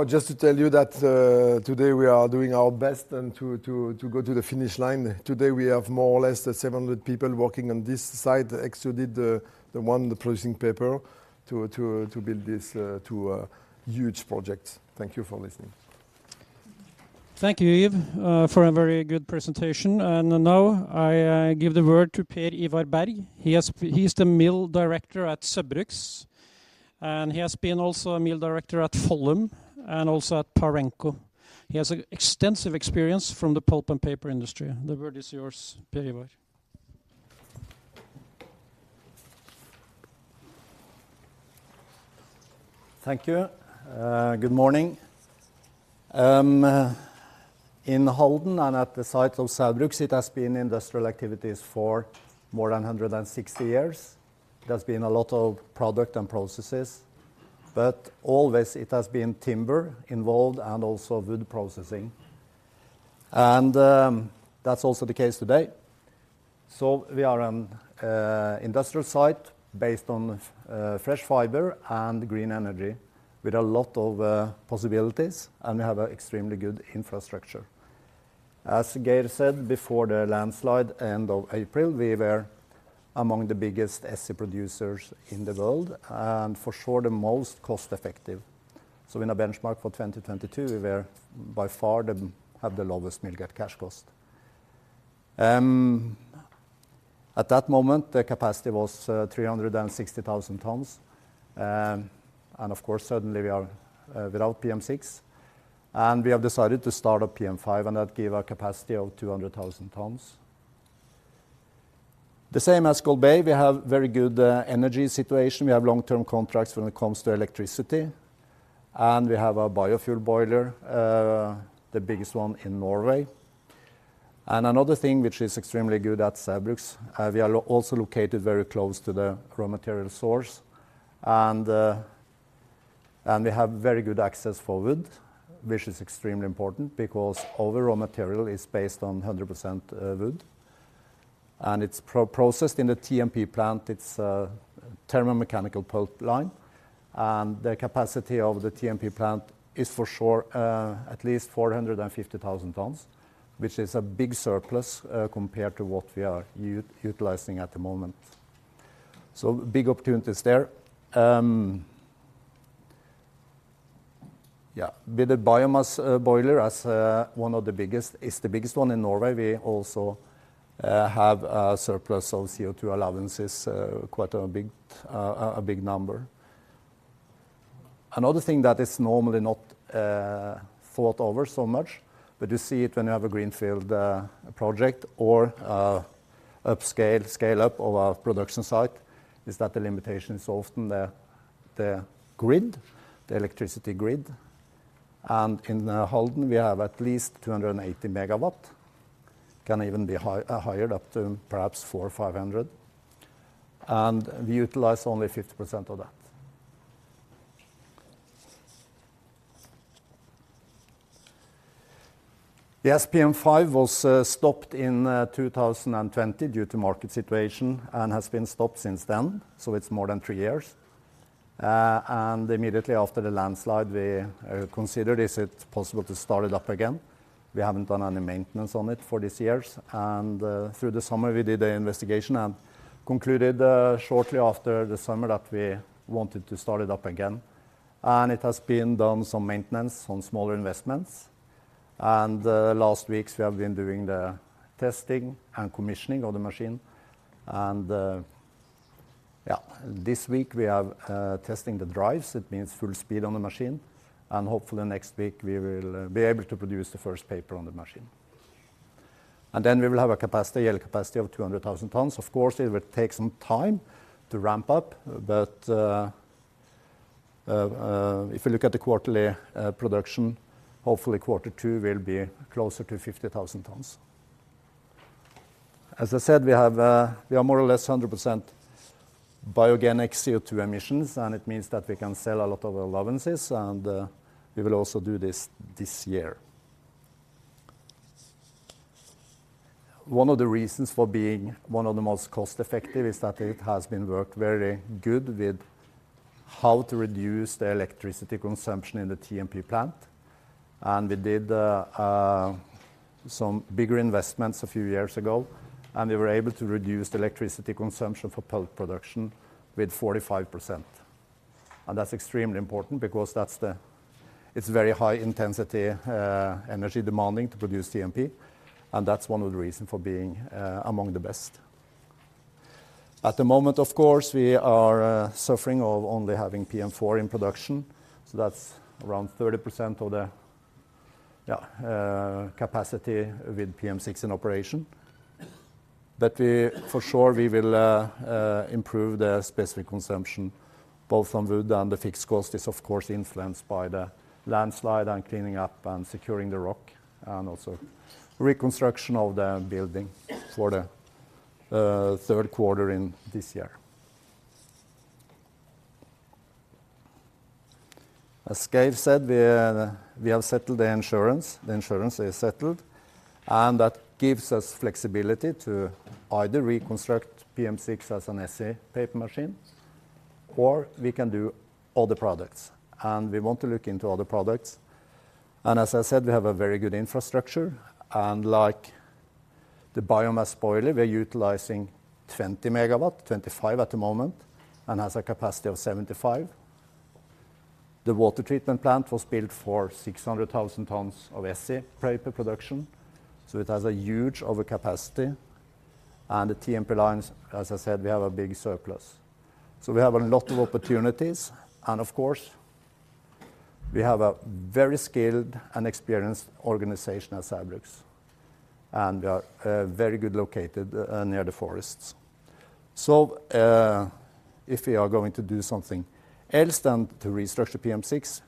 ...Now, just to tell you that today we are doing our best and to go to the finish line. Today, we have more or less than 700 people working on this site, excluded the one producing paper, to build this two huge projects. Thank you for listening. Thank you, Yves, for a very good presentation. Now I give the word to Per Ivar Berg. He is the Mill Director at Saugbrugs, and he has been also a Mill Director at Follum and also at Parenco. He has extensive experience from the pulp and paper industry. The word is yours, Per Ivar. Thank you. Good morning. In the Halden and at the site of Saugbrugs, it has been industrial activities for more than 160 years. There's been a lot of product and processes, but always it has been timber involved and also wood processing. That's also the case today. We are an industrial site based on fresh fiber and green energy, with a lot of possibilities, and we have a extremely good infrastructure. As Geir said, before the landslide, end of April, we were among the biggest SC producers in the world, and for sure, the most cost-effective. In a benchmark for 2022, we were by far the, have the lowest mill gate cash cost. At that moment, the capacity was 360,000 tons. And of course, suddenly we are without PM6, and we have decided to start up PM5, and that give a capacity of 200,000 tons. The same as Golbey, we have very good energy situation. We have long-term contracts when it comes to electricity, and we have a biofuel boiler, the biggest one in Norway. And another thing which is extremely good at Saugbrugs, we are also located very close to the raw material source, and we have very good access for wood, which is extremely important because all the raw material is based on 100% wood. And it's pre-processed in the TMP plant. It's a thermomechanical pulp line, and the capacity of the TMP plant is for sure at least 450,000 tons, which is a big surplus compared to what we are utilizing at the moment. So big opportunities there. Yeah, with the biomass boiler as one of the biggest, it's the biggest one in Norway, we also have a surplus of CO2 allowances, quite a big number. Another thing that is normally not thought over so much, but you see it when you have a greenfield project or scale-up of a production site, is that the limitation is often the grid, the electricity grid. In Halden, we have at least 280 MW, can even be higher, up to perhaps 400 MW or 500 MW, and we utilize only 50% of that. The PM5 was stopped in 2020 due to market situation and has been stopped since then, so it's more than three years. And immediately after the landslide, we considered, is it possible to start it up again? We haven't done any maintenance on it for these years, and through the summer, we did an investigation and concluded shortly after the summer that we wanted to start it up again. And it has been done some maintenance on smaller investments, and last weeks, we have been doing the testing and commissioning of the machine. And yeah, this week we are testing the drives. It means full speed on the machine, and hopefully, next week we will be able to produce the first paper on the machine. And then we will have a capacity of 200,000 tons. Of course, it will take some time to ramp up, but if you look at the quarterly production, hopefully, quarter two will be closer to 50,000 tons. As I said, we have we are more or less 100% biogenic CO2 emissions, and it means that we can sell a lot of allowances, and we will also do this this year. One of the reasons for being one of the most cost-effective is that it has been worked very good with how to reduce the electricity consumption in the TMP plant. And we did some bigger investments a few years ago, and we were able to reduce the electricity consumption for pulp production with 45%. And that's extremely important because that's it's very high intensity energy demanding to produce TMP, and that's one of the reason for being among the best. At the moment, of course, we are suffering of only having PM4 in production, so that's around 30% of the capacity with PM6 in operation. But we, for sure, we will improve the specific consumption, both on wood and the fixed cost is of course, influenced by the landslide and cleaning up and securing the rock, and also reconstruction of the building for the third quarter in this year. As Geir said, we have settled the insurance. The insurance is settled. That gives us flexibility to either reconstruct PM6 as an SC paper machine, or we can do other products, and we want to look into other products. As I said, we have a very good infrastructure, and like the biomass boiler, we're utilizing 20 MW, 25 MW at the moment, and has a capacity of 75 MW. The water treatment plant was built for 600,000 tons of SC paper production, so it has a huge overcapacity. And the TMP lines, as I said, we have a big surplus. So we have a lot of opportunities, and of course, we have a very skilled and experienced organization at Saugbrugs, and we are very good located near the forests. So, if we are going to do something else than to restructure PM6,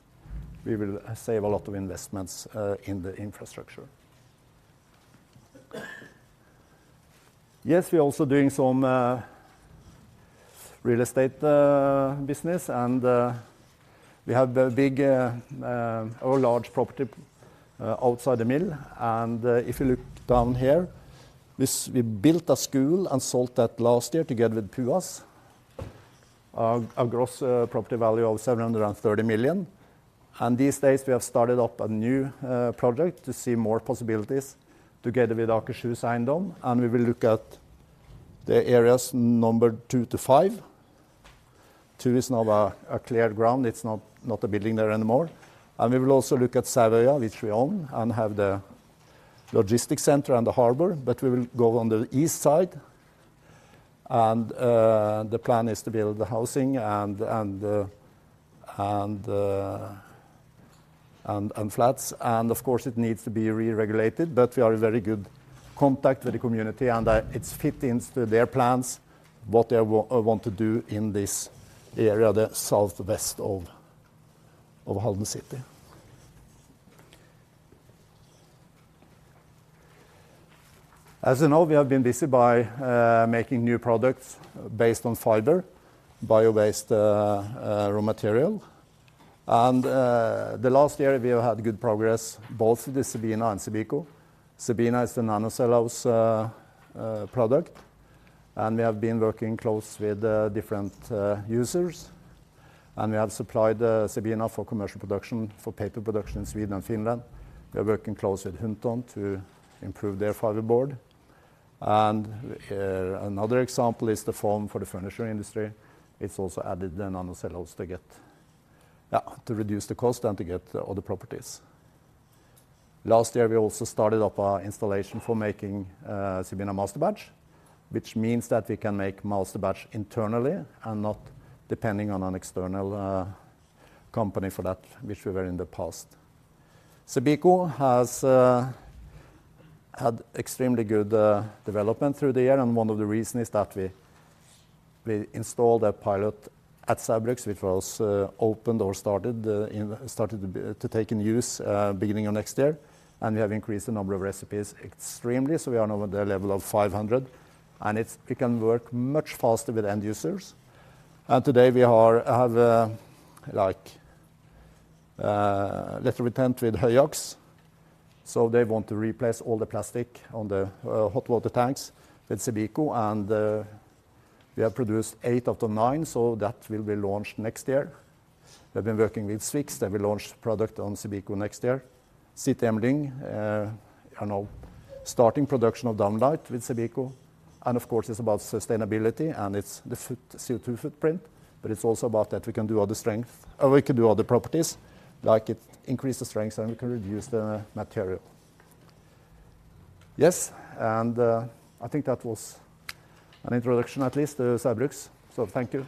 we will save a lot of investments in the infrastructure. Yes, we're also doing some real estate business, and we have a big or large property outside the mill. If you look down here, this—we built a school and sold that last year together with PUAS. A gross property value of 730 million. These days, we have started up a new project to see more possibilities together with Akershus Eiendom, and we will look at the areas numbered two to five. Two is not a clear ground, it's not a building there anymore. We will also look at Sarpsborg, which we own, and have the logistic center and the harbor, but we will go on the east side. The plan is to build the housing and flats, and of course, it needs to be re-regulated, but we are in very good contact with the community, and it fits into their plans, what they want to do in this area, the southwest of Halden City. As you know, we have been busy by making new products based on fiber, bio-based raw material. Last year, we have had good progress, both with the CEBINA and CEBICO. CEBINA is the nanocellulose product, and we have been working close with different users, and we have supplied CEBINA for commercial production, for paper production in Sweden and Finland. We are working close with Hunton to improve their fiberboard. Another example is the foam for the furniture industry. It's also added the nanocellulose to get... Yeah, to reduce the cost and to get the other properties. Last year, we also started up our installation for making CEBINA masterbatch, which means that we can make masterbatch internally and not depending on an external company for that, which we were in the past. CEBICO has had extremely good development through the year, and one of the reason is that we installed a pilot at Saugbrugs, which was opened or started to take in use beginning of next year. And we have increased the number of recipes extremely, so we are now at the level of 500, and we can work much faster with end users. And today, we have like a letter of intent with Höganäs. So they want to replace all the plastic on the, hot water tanks with CEBICO, and, we have produced eight of the nine, so that will be launched next year. We've been working with Swix, then we launch product on CEBICO next year. CTM Lyng, are now starting production of downlights with CEBICO, and of course, it's about sustainability and it's the CO2 footprint, but it's also about that we can do other strength, or we can do other properties, like it increase the strength and we can reduce the material. Yes, and, I think that was an introduction, at least, to Saugbrugs. So thank you.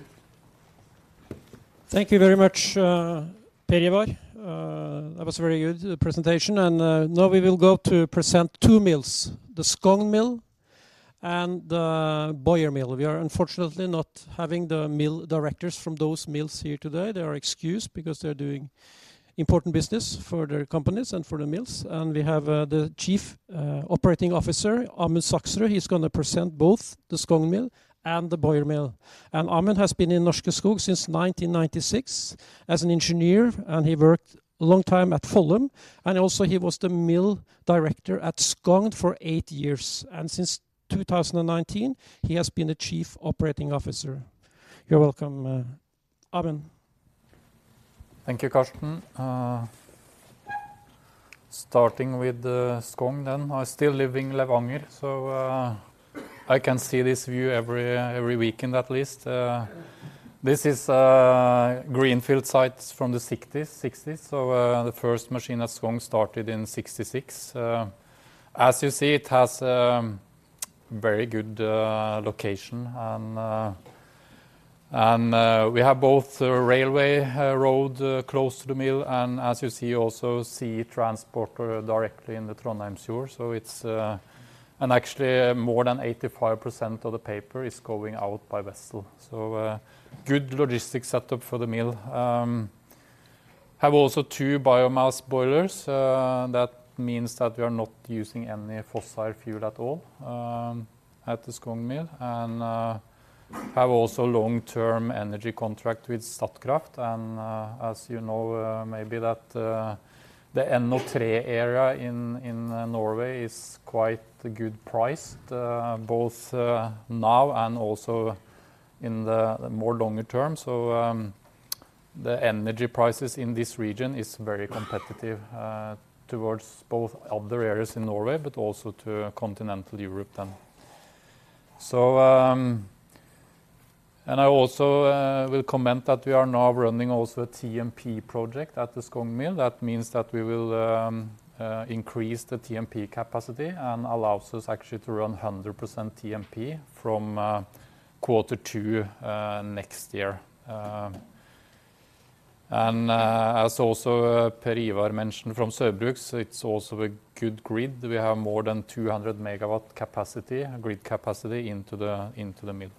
Thank you very much, Per Ivar. That was a very good presentation, and now we will go to present two mills, the Skogn mill and the Boyer mill. We are unfortunately not having the mill directors from those mills here today. They are excused because they're doing important business for their companies and for the mills, and we have the Chief Operating Officer, Amund Saxrud. He's gonna present both the Skogn mill and the Boyer mill. And Amund has been in Norske Skog since 1996 as an engineer, and he worked a long time at Moelven, and also he was the mill director at Skogn for eight years. And since 2019, he has been the Chief Operating Officer. You're welcome, Amund. Thank you, Carsten. Starting with Skogn, then. I still live in Levanger, so I can see this view every weekend, at least. This is a greenfield site from the 1960s. So the first machine at Skogn started in 1966. As you see, it has very good location and we have both a railway, road close to the mill, and as you see, also sea transport directly in the Trondheim Fjord. So it's... And actually, more than 85% of the paper is going out by vessel. So good logistics setup for the mill. Have also two biomass boilers. That means that we are not using any fossil fuel at all at the Skogn mill, and have also long-term energy contract with Statkraft. And, as you know, maybe that, the NO3 area in Norway is quite a good price, both now and also-... in the longer term, so, the energy prices in this region is very competitive towards both other areas in Norway, but also to continental Europe then. So, and I also will comment that we are now running also a TMP project at the Skogn mill. That means that we will increase the TMP capacity and allows us actually to run 100% TMP from quarter two next year. And, as also Per Ivar mentioned from Saugbrugs, so it's also a good grid. We have more than 200 MW capacity, grid capacity into the mill.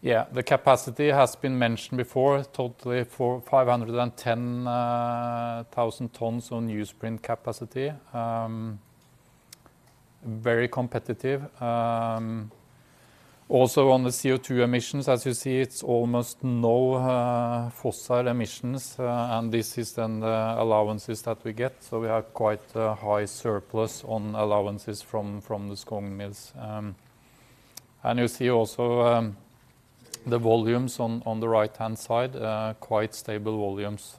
Yeah, the capacity has been mentioned before, total for 510,000 tons on newsprint capacity. Very competitive. Also on the CO2 emissions, as you see, it's almost no, fossil emissions, and this is then the allowances that we get, so we have quite a high surplus on allowances from the Skogn mills. And you see also, the volumes on the right-hand side, quite stable volumes,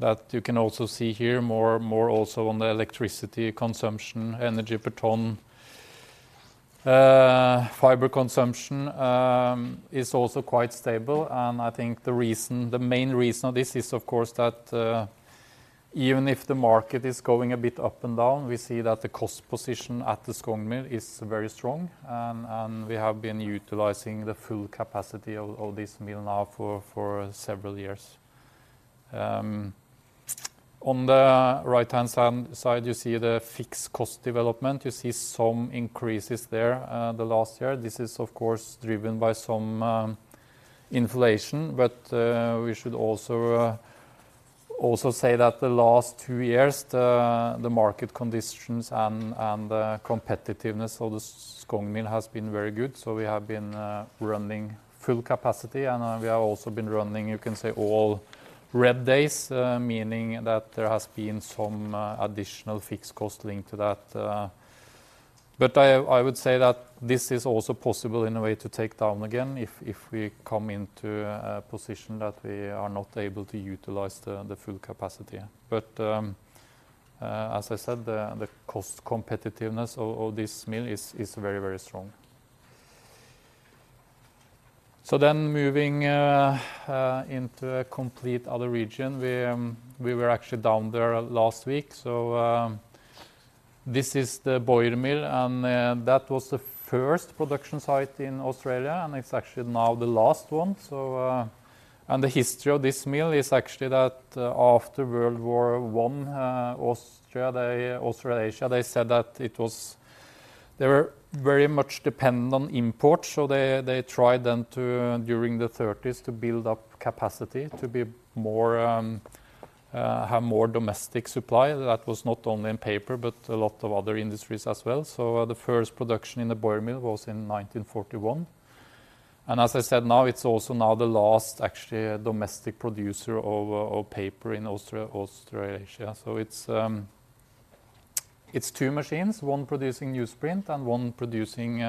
that you can also see here, also on the electricity consumption, energy per ton. Fiber consumption is also quite stable, and I think the main reason of this is, of course, that, even if the market is going a bit up and down, we see that the cost position at the Skogn mill is very strong, and we have been utilizing the full capacity of this mill now for several years. On the right-hand side, you see the fixed cost development. You see some increases there, the last year. This is, of course, driven by some inflation, but we should also say that the last two years, the market conditions and the competitiveness of the Skogn mill has been very good, so we have been running full capacity, and we have also been running, you can say, all red days, meaning that there has been some additional fixed cost linked to that. But I would say that this is also possible in a way to take down again if we come into a position that we are not able to utilize the full capacity. But as I said, the cost competitiveness of this mill is very, very strong. So then moving into a complete other region, we, we were actually down there last week. So, this is the Boyer mill, and, that was the first production site in Australia, and it's actually now the last one. So. And the history of this mill is actually that, after World War I, Australia, Australasia, they said that it was—they were very much dependent on imports, so they, they tried then to, during the 1930s, to build up capacity to be more, have more domestic supply. That was not only in paper, but a lot of other industries as well. So the first production in the Boyer mill was in 1941. And as I said, now it's also now the last actually domestic producer of, of paper in Australia, Australasia. So it's, it's two machines, one producing newsprint and one producing,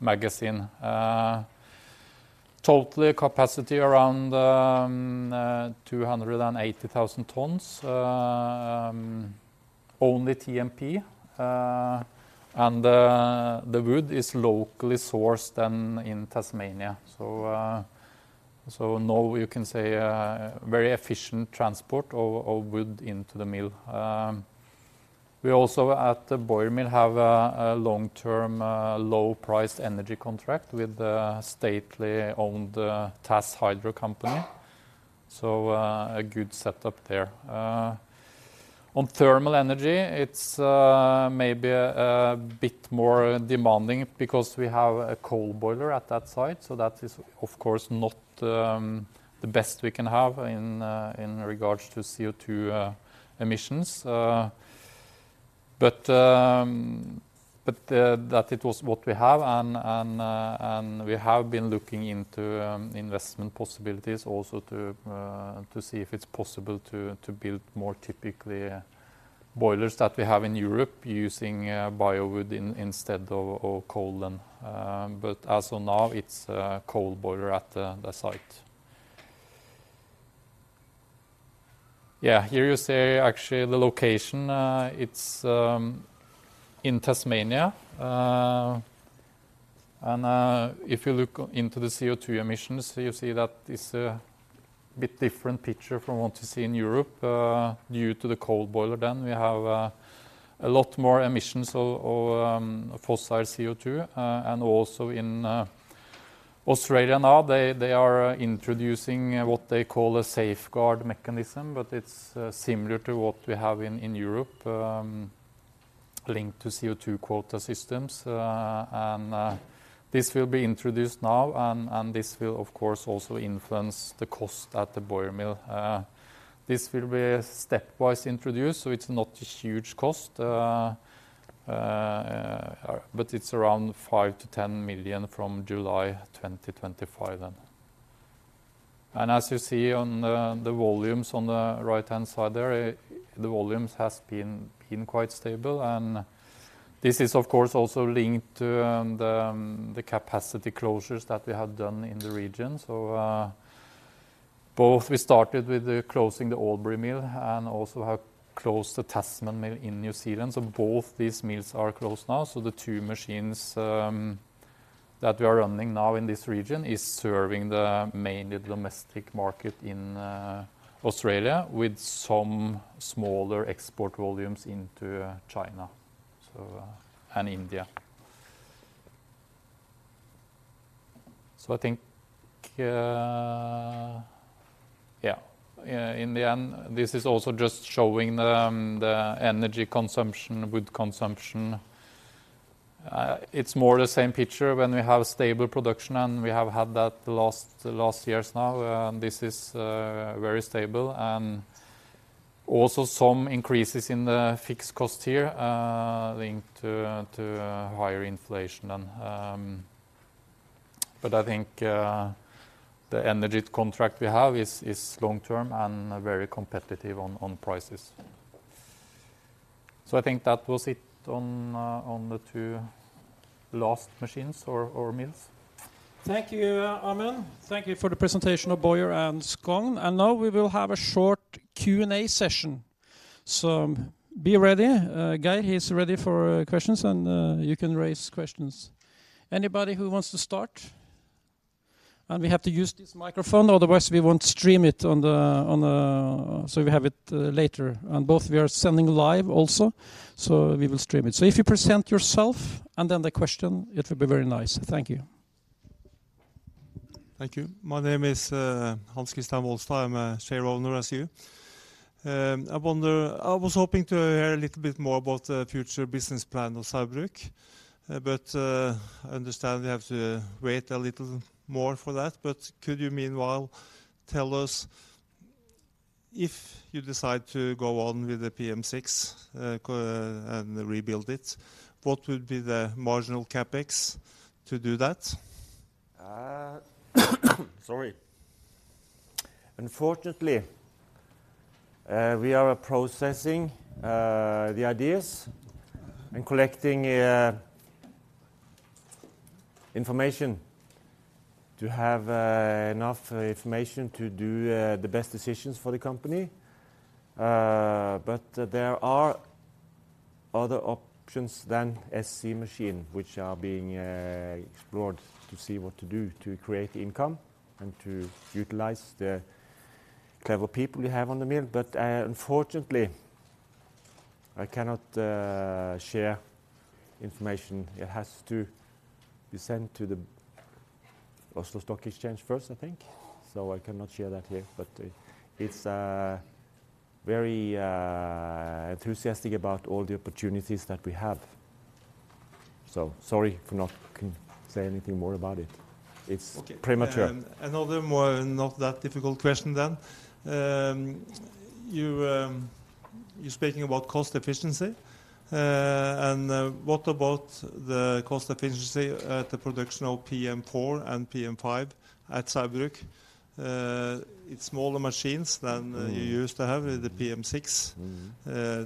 magazine. Total capacity around 280,000 tons, only TMP, and the, the wood is locally sourced there in Tasmania. So, so now you can say, a very efficient transport of, of wood into the mill. We also at the Boyer mill have a, a long-term, low-priced energy contract with the state-owned TasHydro company, so, a good setup there. On thermal energy, it's, maybe a, a bit more demanding because we have a coal boiler at that site, so that is, of course, not, the best we can have in, in regards to CO2, emissions. But that it was what we have, and we have been looking into investment possibilities also to see if it's possible to build more typically boilers that we have in Europe using biowood instead of coal then. But as of now, it's a coal boiler at the site. Yeah, here you see actually the location. It's in Tasmania. And if you look into the CO2 emissions, you see that it's a bit different picture from what you see in Europe due to the coal boiler. Then we have a lot more emissions of fossil CO2, and also in Australia now, they are introducing what they call a safeguard mechanism, but it's similar to what we have in Europe, linked to CO2 quota systems. And this will be introduced now, and this will, of course, also influence the cost at the Boyer mill. This will be stepwise introduced, so it's not a huge cost, but it's around 5 million- 10 million from July 2025 then.... And as you see on the volumes on the right-hand side there, the volumes has been quite stable. This is, of course, also linked to the capacity closures that we have done in the region. Both we started with the closing the Albury mill and also have closed the Tasman mill in New Zealand, so both these mills are closed now. The two machines that we are running now in this region is serving the mainly domestic market in Australia, with some smaller export volumes into China, so and India. I think in the end, this is also just showing the energy consumption, wood consumption. It's more the same picture when we have stable production, and we have had that the last years now. This is very stable, and also some increases in the fixed cost here, linked to higher inflation. But I think the energy contract we have is long-term and very competitive on prices. So I think that was it on the two last machines or mills. Thank you, Amund. Thank you for the presentation of Boyer and Skogn. And now we will have a short Q&A session. So be ready. Guy, he's ready for questions, and you can raise questions. Anybody who wants to start? And we have to use this microphone, otherwise we won't stream it on the, on the... so we have it later. And both we are sending live also, so we will stream it. So if you present yourself and then the question, it will be very nice. Thank you. Thank you. My name is Hans Christian Molstad. I'm a shareholder, as you. I wonder, I was hoping to hear a little bit more about the future business plan of Saugbrugs. But I understand we have to wait a little more for that. But could you meanwhile tell us if you decide to go on with the PM6 and rebuild it, what would be the marginal CapEx to do that? Sorry. Unfortunately, we are processing the ideas and collecting information to have enough information to do the best decisions for the company. But there are other options than SC machine, which are being explored to see what to do to create income and to utilize the clever people we have on the mill. But, unfortunately, I cannot share information. It has to be sent to the Oslo Stock Exchange first, I think. So I cannot share that here, but, it's very enthusiastic about all the opportunities that we have. So sorry for not can say anything more about it. It's- Okay. - premature. Another more, not that difficult question, then. You, you're speaking about cost efficiency. And, what about the cost efficiency at the production of PM4 and PM5 at Saugbrugs? It's smaller machines than- Mm-hmm. you used to have with the PM6. Mm-hmm.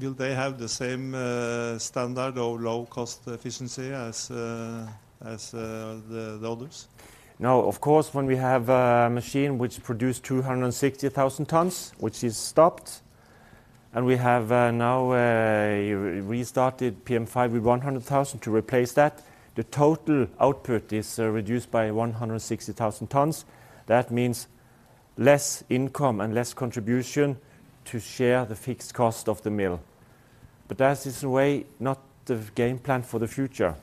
Will they have the same standard or low cost efficiency as the others? Now, of course, when we have a machine which produced 260,000 tons, which is stopped, and we have now a restarted PM5 with 100,000 tons to replace that, the total output is reduced by 160,000 tons. That means less income and less contribution to share the fixed cost of the mill. But that is the way, not the game plan for the future.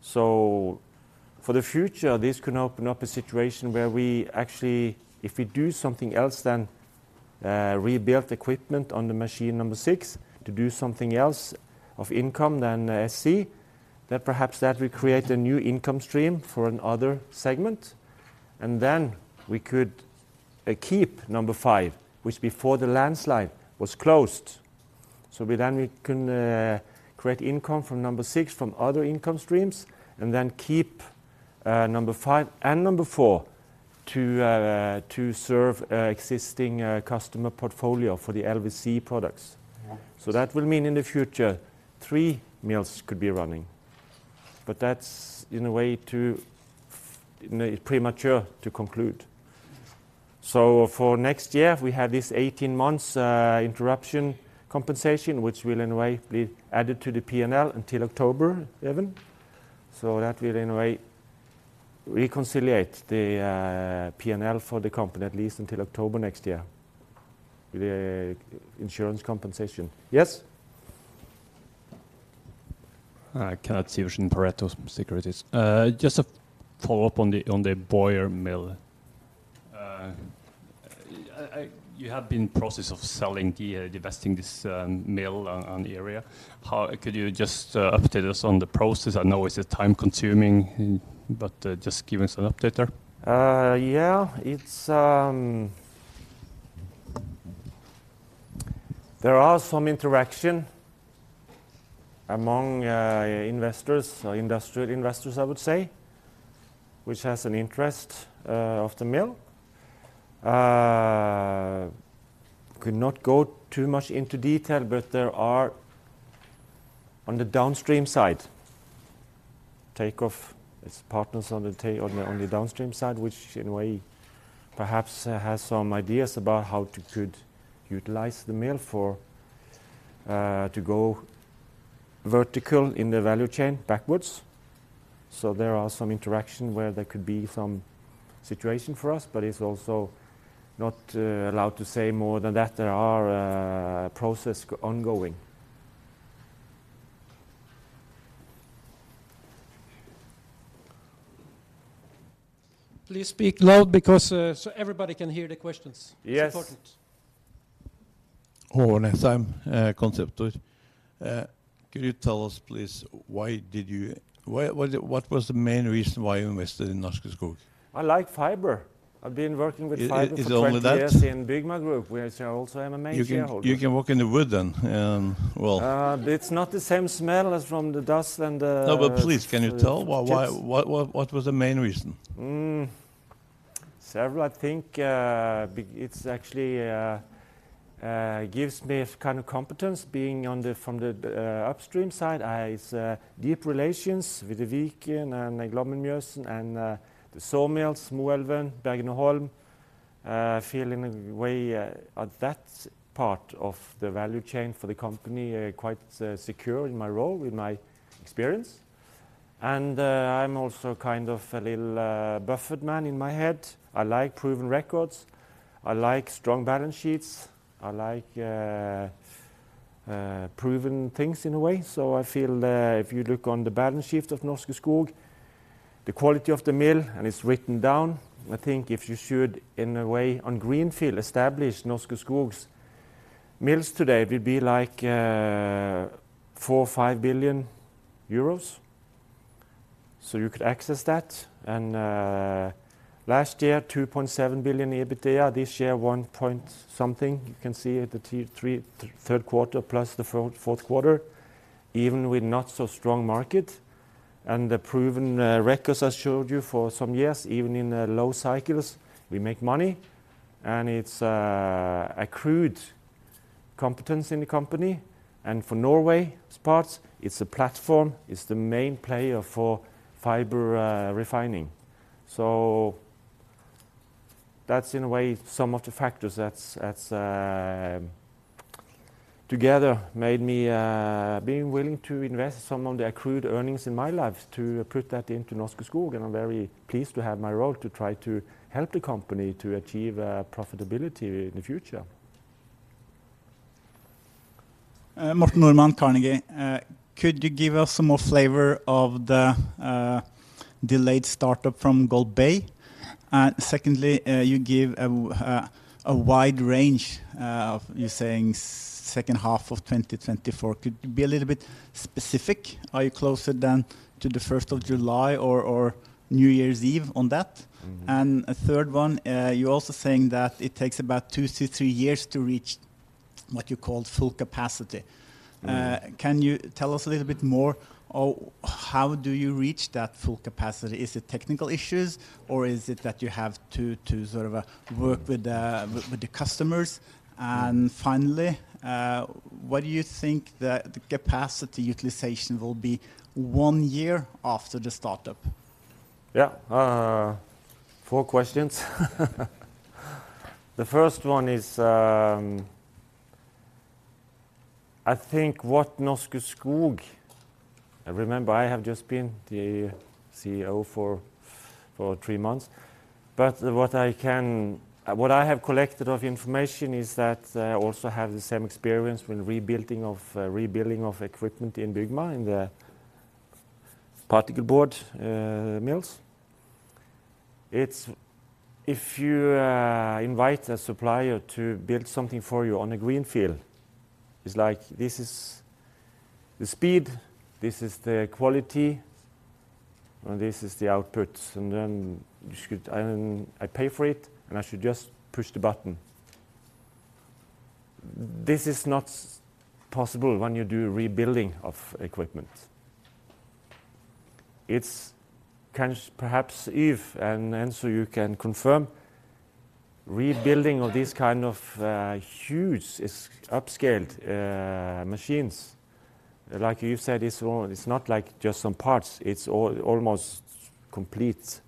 So for the future, this could open up a situation where we actually, if we do something else than rebuild equipment on the machine number six to do something else of income than SC, then perhaps that will create a new income stream for another segment. And then we could keep number five, which before the landslide was closed. So then we can create income from number six, from other income streams, and then keep number five and number four to serve existing customer portfolio for the LWC products. Yeah. So that will mean in the future, three mills could be running, but that's, in a way, too premature to conclude. So for next year, we have this 18 months interruption compensation, which will anyway be added to the P&L until October 7th. So that will in a way reconcile the P&L for the company, at least until October next year, with the insurance compensation. Yes? Kenneth Sivertsen, Pareto Securities. Just a follow-up on the Boyer mill. You have been in process of selling the divesting this mill on the area. Could you just update us on the process? I know it's time-consuming, but just give us an update there. Yeah, it's... There are some interaction among investors, or industrial investors, I would say, which has an interest of the mill. Could not go too much into detail, but there are, on the downstream side, talk of its partners on the downstream side, which in a way perhaps has some ideas about how to could utilize the mill for to go vertical in the value chain backwards. So there are some interaction where there could be some situation for us, but it's also not allowed to say more than that. There are processes ongoing. Please speak loud because, so everybody can hear the questions. Yes. It's important.... Ole Næss, I'm Conceptor. Can you tell us, please, what was the main reason why you invested in Norske Skog? I like fiber. I've been working with fiber- Is it only that? - for 20 years in Byggma Group, where I also am a main shareholder. You can, you can work in the wood then, well- It's not the same smell as from the dust and the- No, but please, can you tell- - chips... why, what was the main reason? Several, I think, actually, gives me a kind of competence, being on the, from the, upstream side. I have deep relations with the Viken and Glommen Mjøsen and, the sawmills, Moelven, Bergene Holm. I feel in a way, at that part of the value chain for the company, quite secure in my role, with my experience. And, I'm also kind of a little, Buffett man in my head. I like proven records. I like strong balance sheets. I like, proven things in a way. So I feel, if you look on the balance sheet of Norske Skog, the quality of the mill, and it's written down, I think if you should, in a way, on greenfield, establish Norske Skog's mills today, it would be like, 4 billion-5 billion euros. So you could access that. And last year, 2.7 billion EBITDA. This year, one point something. You can see it, the third quarter, plus the fourth quarter, even with not so strong market. And the proven records I showed you for some years, even in the low cycles, we make money, and it's accrued competence in the company. And for Norway's part, it's a platform, it's the main player for fiber refining. So that's, in a way, some of the factors that's together made me be willing to invest some of the accrued earnings in my life to put that into Norske Skog, and I'm very pleased to have my role, to try to help the company to achieve profitability in the future. Morten Normann, Carnegie. Could you give us some more flavor of the delayed startup from Golbey? And secondly, you give a wide range of you're saying second half of 2024. Could you be a little bit specific? Are you closer to the first of July or New Year's Eve on that? Mm. A third one, you're also saying that it takes about two to three years to reach what you called full capacity. Mm. Can you tell us a little bit more, or how do you reach that full capacity? Is it technical issues, or is it that you have to, to sort of, work with, with the customers? Mm. Finally, what do you think the capacity utilization will be one year after the startup? Yeah. Four questions. The first one is, I think what Norske Skog... Remember, I have just been the CEO for three months. But what I can, what I have collected of information is that I also have the same experience with rebuilding of rebuilding of equipment in Byggma, in the particleboard mills. It's if you invite a supplier to build something for you on a greenfield, it's like, this is the speed, this is the quality, and this is the output. And then you should, and I pay for it, and I should just push the button. This is not possible when you do rebuilding of equipment. It's kind of perhaps if, and so you can confirm, rebuilding of this kind of huge upscaled machines, like you've said, it's not like just some parts, it's almost complete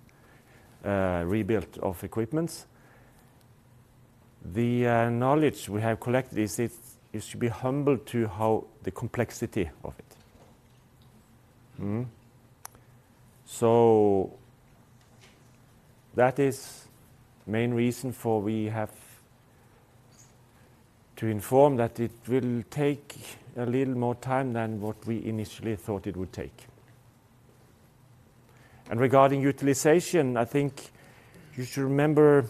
rebuilt of equipments. The knowledge we have collected is it should be humble to how the complexity of it. So that is main reason for we have to inform that it will take a little more time than what we initially thought it would take. And regarding utilization, I think you should remember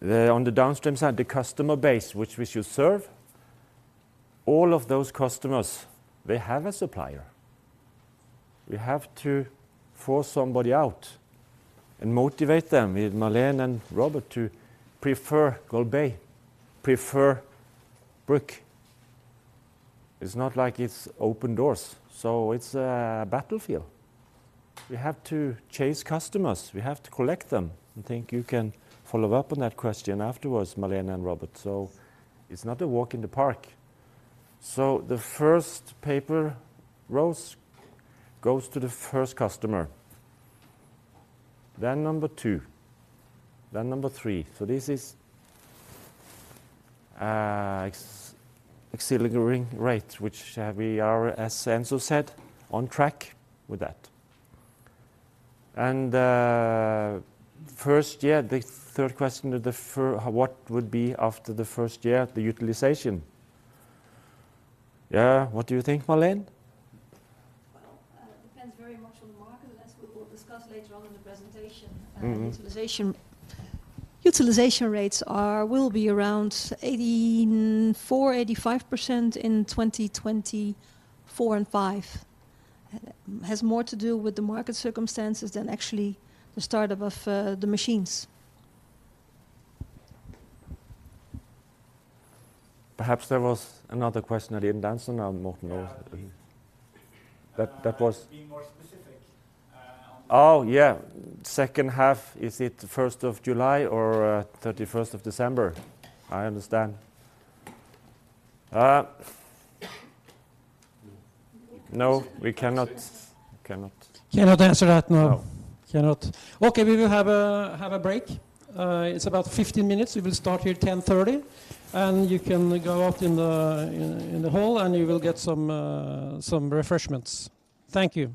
the, on the downstream side, the customer base, which we should serve, all of those customers, they have a supplier. We have to force somebody out and motivate them, with Marleen and Robert, to prefer Golbey, prefer Bruck. It's not like it's open doors, so it's a battlefield. We have to chase customers, we have to collect them. I think you can follow up on that question afterwards, Marleen and Robert. So it's not a walk in the park. So the first paper rolls goes to the first customer, then number two, then number three. So this is accelerating rate, which we are, as Enzo said, on track with that. And first year, the third question, what would be after the first year, the utilization? Yeah, what do you think, Marleen? Well, it depends very much on the market, as we will discuss later on in the presentation. Mm-hmm. Utilization rates are, will be around 84%-85% in 2024 and 2025. It has more to do with the market circumstances than actually the startup of, the machines. Perhaps there was another question I didn't answer now, Morten. That was- Be more specific, Oh, yeah. Second half, is it first of July or, thirty-first of December? I understand. No, we cannot, cannot. Cannot answer that, no. No. Cannot. Okay, we will have a break. It's about 15 minutes. We will start here at 10:30 A.M., and you can go out in the hall, and you will get some refreshments. Thank you.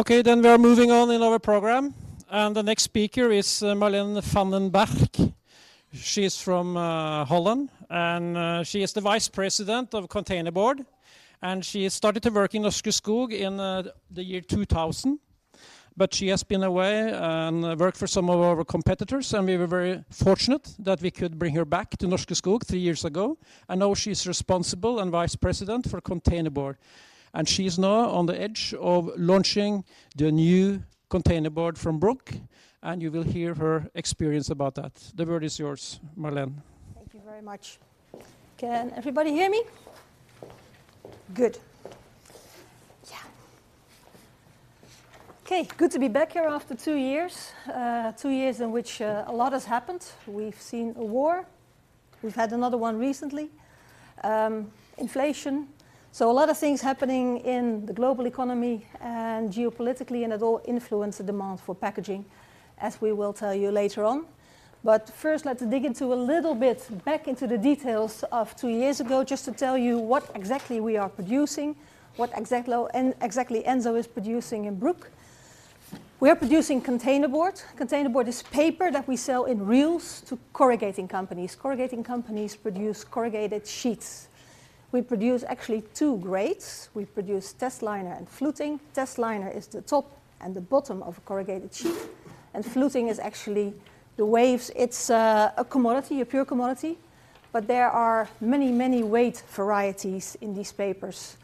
Okay, we are moving on in our program, and the next speaker is Marleen van den Berg. She is from Holland, and she is the Vice President of Containerboard, and she started to work in Norske Skog in the year 2000. But she has been away and worked for some of our competitors, and we were very fortunate that we could bring her back to Norske Skog three years ago. And now she's responsible and vice president for Containerboard. She's now on the edge of launching the new containerboard from Bruck, and you will hear her experience about that. The word is yours, Marleen. Thank you very much. Can everybody hear me? Good. Yeah. Okay, good to be back here after two years, two years in which, a lot has happened. We've seen a war. We've had another one recently. Inflation. So a lot of things happening in the global economy and geopolitically, and it all influence the demand for packaging, as we will tell you later on. But first, let's dig into a little bit back into the details of two years ago, just to tell you what exactly we are producing, and exactly Enzo is producing in Bruck. We are producing containerboard. Containerboard is paper that we sell in reels to corrugating companies. Corrugating companies produce corrugated sheets. We produce actually two grades. We produce testliner and fluting. Testliner is the top and the bottom of a corrugated sheet, and fluting is actually the waves. It's a commodity, a pure commodity, but there are many, many weight varieties in these papers.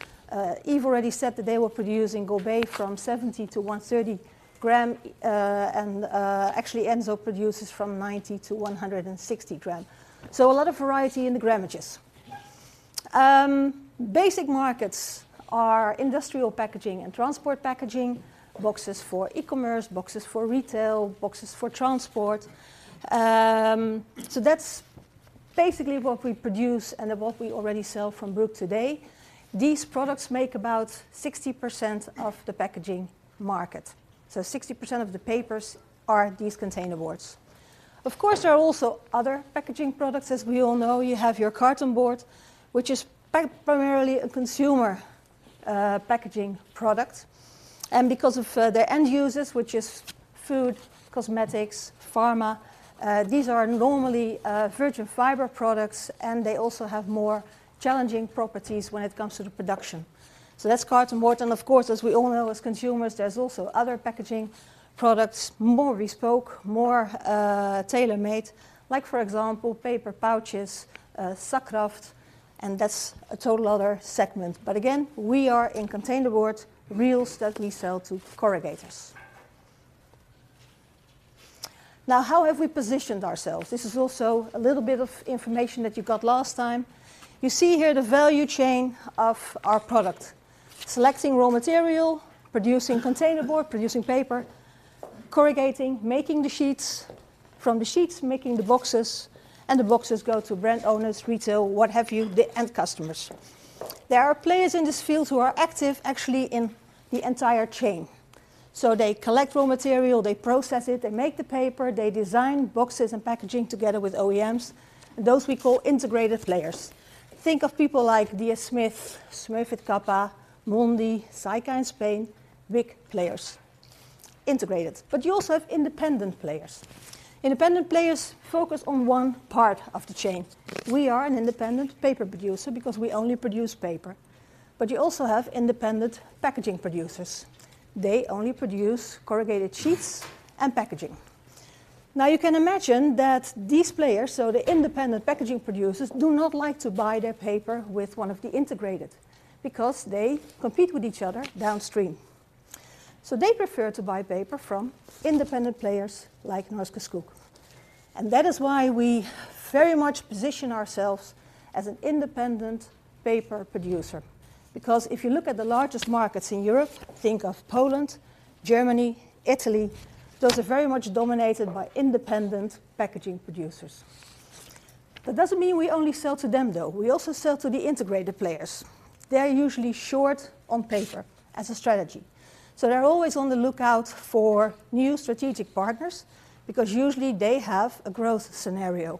Yves already said that they were producing Golbey from 70 gram-130 gram, and actually, Enzo produces from 90 gram-160 gram. So a lot of variety in the grammages. Basic markets are industrial packaging and transport packaging, boxes for e-commerce, boxes for retail, boxes for transport. So that's basically what we produce and what we already sell from Bruck today. These products make about 60% of the packaging market, so 60% of the papers are these containerboards. Of course, there are also other packaging products. As we all know, you have your cartonboard, which is primarily a consumer packaging product. Because of the end users, which is food, cosmetics, pharma, these are normally virgin fiber products, and they also have more challenging properties when it comes to the production. So that's cartonboard, and of course, as we all know, as consumers, there's also other packaging products, more bespoke, more tailor-made, like, for example, paper pouches, sack kraft, and that's a total other segment. But again, we are in containerboard, reels that we sell to corrugators. Now, how have we positioned ourselves? This is also a little bit of information that you got last time. You see here the value chain of our product: selecting raw material, producing containerboard, producing paper, corrugating, making the sheets, from the sheets, making the boxes, and the boxes go to brand owners, retail, what have you, the end customers. There are players in this field who are active, actually, in the entire chain. So they collect raw material, they process it, they make the paper, they design boxes and packaging together with OEMs, and those we call integrated players. Think of people like DS Smith, Smurfit Kappa, Mondi, Saica in Spain, big players, integrated. But you also have independent players. Independent players focus on one part of the chain. We are an independent paper producer because we only produce paper, but you also have independent packaging producers. They only produce corrugated sheets and packaging. Now, you can imagine that these players, so the independent packaging producers, do not like to buy their paper with one of the integrated because they compete with each other downstream. So they prefer to buy paper from independent players like Norske Skog. That is why we very much position ourselves as an independent paper producer. Because if you look at the largest markets in Europe, think of Poland, Germany, Italy, those are very much dominated by independent packaging producers. That doesn't mean we only sell to them, though. We also sell to the integrated players. They are usually short on paper as a strategy, so they're always on the lookout for new strategic partners because usually they have a growth scenario,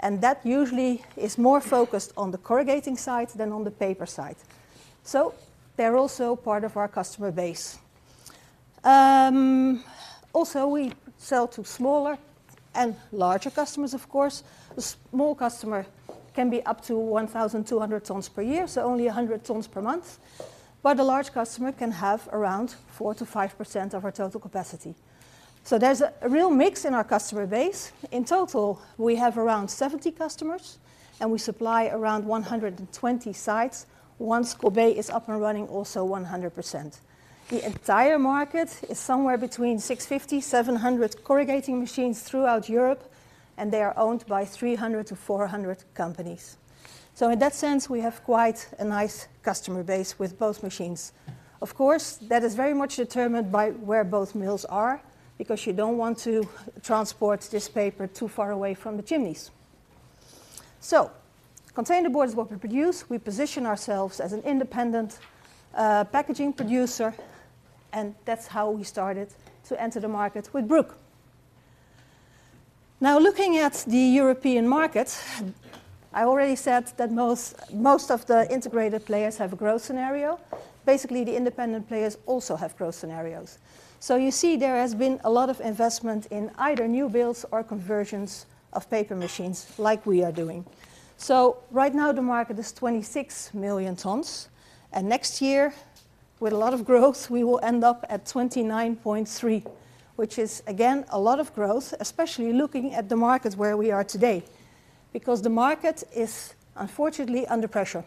and that usually is more focused on the corrugating side than on the paper side. So they're also part of our customer base. Also we sell to smaller and larger customers, of course. A small customer can be up to 1,200 tons per year, so only 100 tons per month. But a large customer can have around 4%-5% of our total capacity. So there's a real mix in our customer base. In total, we have around 70 customers, and we supply around 120 sites, once Golbey is up and running, also 100%. The entire market is somewhere between 650-700 corrugating machines throughout Europe, and they are owned by 300-400 companies. So in that sense, we have quite a nice customer base with both machines. Of course, that is very much determined by where both mills are, because you don't want to transport this paper too far away from the chimneys. So containerboard is what we produce. We position ourselves as an independent packaging producer, and that's how we started to enter the market with Bruck. Now, looking at the European market, I already said that most of the integrated players have a growth scenario. Basically, the independent players also have growth scenarios. So you see, there has been a lot of investment in either new builds or conversions of paper machines, like we are doing. So right now, the market is 26 million tons, and next year, with a lot of growth, we will end up at 29.3 million tons, which is, again, a lot of growth, especially looking at the market where we are today, because the market is unfortunately under pressure.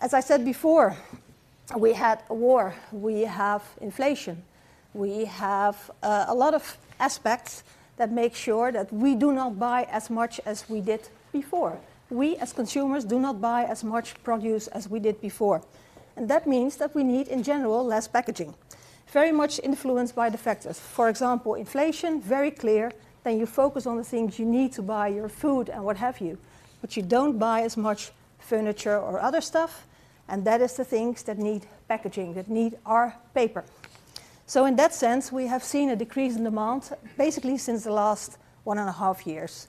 As I said before, we had a war, we have inflation, we have a lot of aspects that make sure that we do not buy as much as we did before. We, as consumers, do not buy as much produce as we did before, and that means that we need, in general, less packaging, very much influenced by the factors. For example, inflation, very clear, then you focus on the things you need to buy, your food and what have you, but you don't buy as much furniture or other stuff, and that is the things that need packaging, that need our paper. So in that sense, we have seen a decrease in demand, basically since the last one and a half years.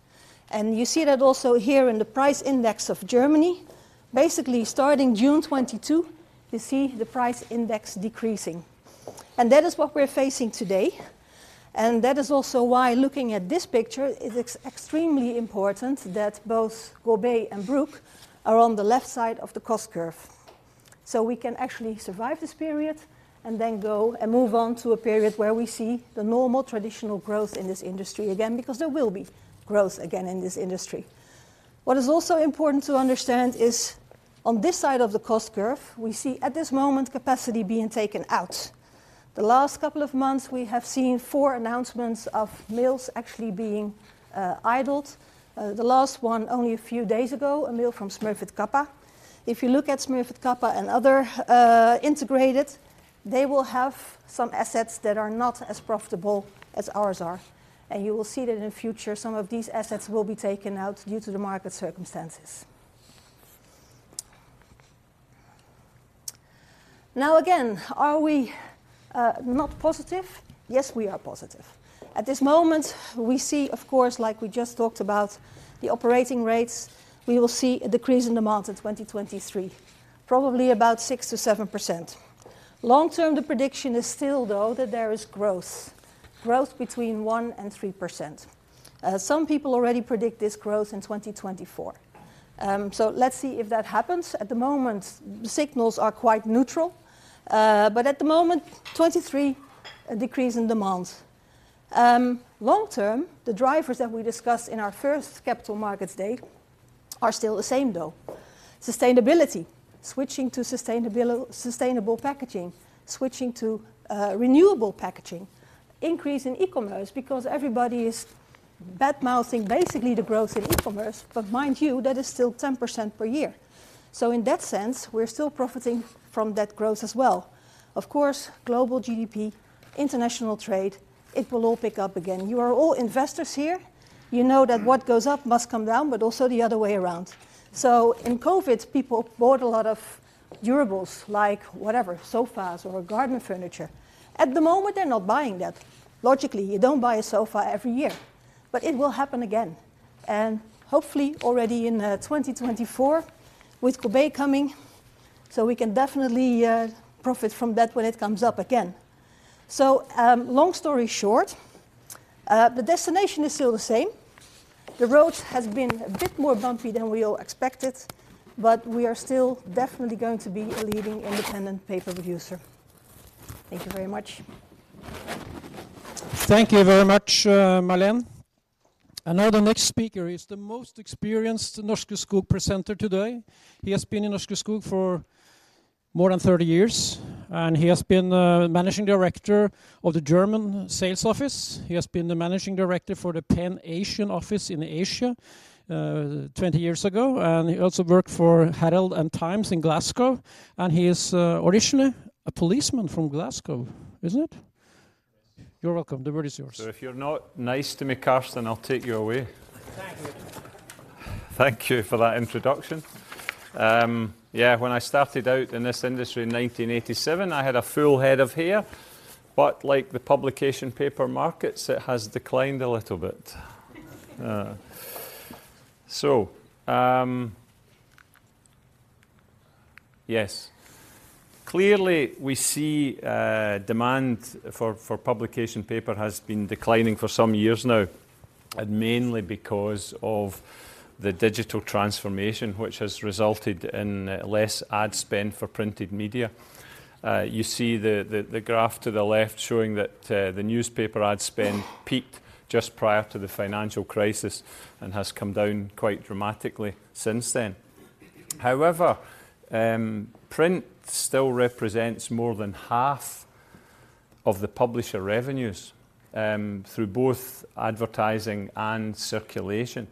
And you see that also here in the price index of Germany. Basically, starting June 2022, you see the price index decreasing, and that is what we're facing today, and that is also why looking at this picture, it is extremely important that both Golbey and Bruck are on the left side of the cost curve. So we can actually survive this period, and then go and move on to a period where we see the normal traditional growth in this industry again, because there will be growth again in this industry. What is also important to understand is, on this side of the cost curve, we see at this moment, capacity being taken out. The last couple of months, we have seen four announcements of mills actually being idled. The last one only a few days ago, a mill from Smurfit Kappa. If you look at Smurfit Kappa and other integrated, they will have some assets that are not as profitable as ours are, and you will see that in the future, some of these assets will be taken out due to the market circumstances. Now, again, are we not positive? Yes, we are positive. At this moment, we see, of course, like we just talked about, the operating rates. We will see a decrease in demand in 2023, probably about 6%-7%. Long-term, the prediction is still, though, that there is growth, growth between 1% and 3%. Some people already predict this growth in 2024. So let's see if that happens. At the moment, the signals are quite neutral, but at the moment, 2023, a decrease in demand. Long-term, the drivers that we discussed in our first Capital Markets Day are still the same, though. Sustainability, switching to sustainable packaging, switching to renewable packaging, increase in e-commerce, because everybody is badmouthing basically the growth in e-commerce, but mind you, that is still 10% per year. So in that sense, we're still profiting from that growth as well. Of course, global GDP, international trade, it will all pick up again. You are all investors here. You know that what goes up must come down, but also the other way around. So in COVID, people bought a lot of durables, like whatever, sofas or garden furniture. At the moment, they're not buying that. Logically, you don't buy a sofa every year, but it will happen again, and hopefully already in 2024 with Golbey coming, so we can definitely profit from that when it comes up again. So, long story short, the destination is still the same. The road has been a bit more bumpy than we all expected, but we are still definitely going to be a leading independent paper producer. Thank you very much. Thank you very much, Marleen. Now the next speaker is the most experienced Norske Skog presenter today. He has been in Norske Skog for more than 30 years, and he has been managing director of the German sales office. He has been the managing director for the Pan Asian office in Asia 20 years ago, and he also worked for Herald and Times in Glasgow, and he is originally a policeman from Glasgow, isn't it? You're welcome. The word is yours. If you're not nice to me, Carsten, I'll take you away. Thank you. Thank you for that introduction. Yeah, when I started out in this industry in 1987, I had a full head of hair, but like the publication paper markets, it has declined a little bit. So, yes. Clearly, we see demand for publication paper has been declining for some years now, and mainly because of the digital transformation, which has resulted in less ad spend for printed media. You see the graph to the left showing that the newspaper ad spend peaked just prior to the financial crisis and has come down quite dramatically since then. However, print still represents more than half of the publisher revenues through both advertising and circulation,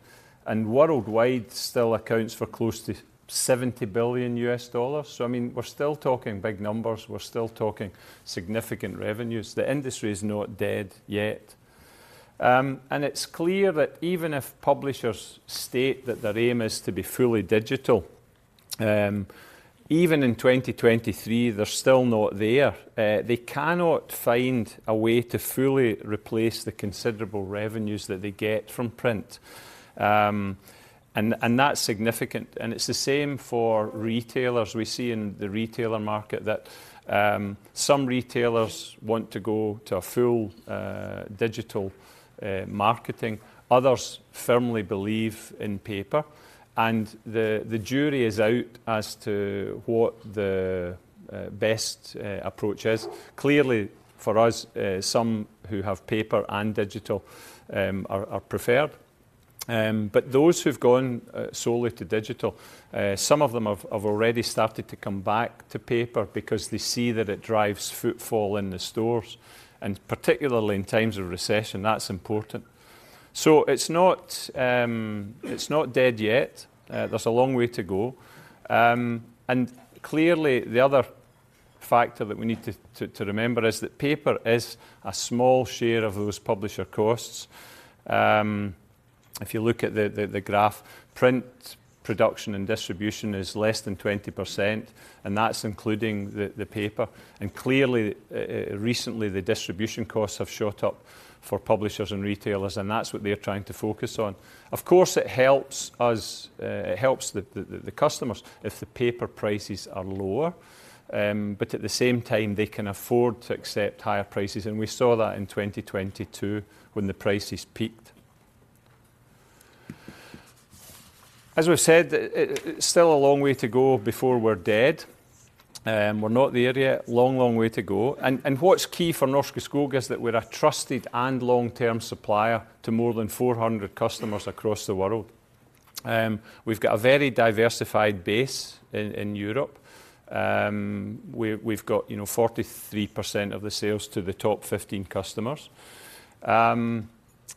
and worldwide still accounts for close to $70 billion. So, I mean, we're still talking big numbers. We're still talking significant revenues. The industry is not dead yet. It's clear that even if publishers state that their aim is to be fully digital, even in 2023, they're still not there. They cannot find a way to fully replace the considerable revenues that they get from print. And that's significant, and it's the same for retailers. We see in the retailer market that some retailers want to go to a full digital marketing. Others firmly believe in paper, and the jury is out as to what the best approach is. Clearly, for us, some who have paper and digital are preferred. But those who've gone solely to digital, some of them have already started to come back to paper because they see that it drives footfall in the stores, and particularly in times of recession, that's important. So it's not dead yet. There's a long way to go. And clearly, the other factor that we need to remember is that paper is a small share of those publisher costs. If you look at the graph, print production and distribution is less than 20%, and that's including the paper. And clearly, recently, the distribution costs have shot up for publishers and retailers, and that's what they're trying to focus on. Of course, it helps us. It helps the customers if the paper prices are lower, but at the same time, they can afford to accept higher prices, and we saw that in 2022 when the prices peaked. As we've said, still a long way to go before we're dead. We're not there yet. Long, long way to go. And what's key for Norske Skog is that we're a trusted and long-term supplier to more than 400 customers across the world. We've got a very diversified base in Europe. We've got, you know, 43% of the sales to the top 15 customers.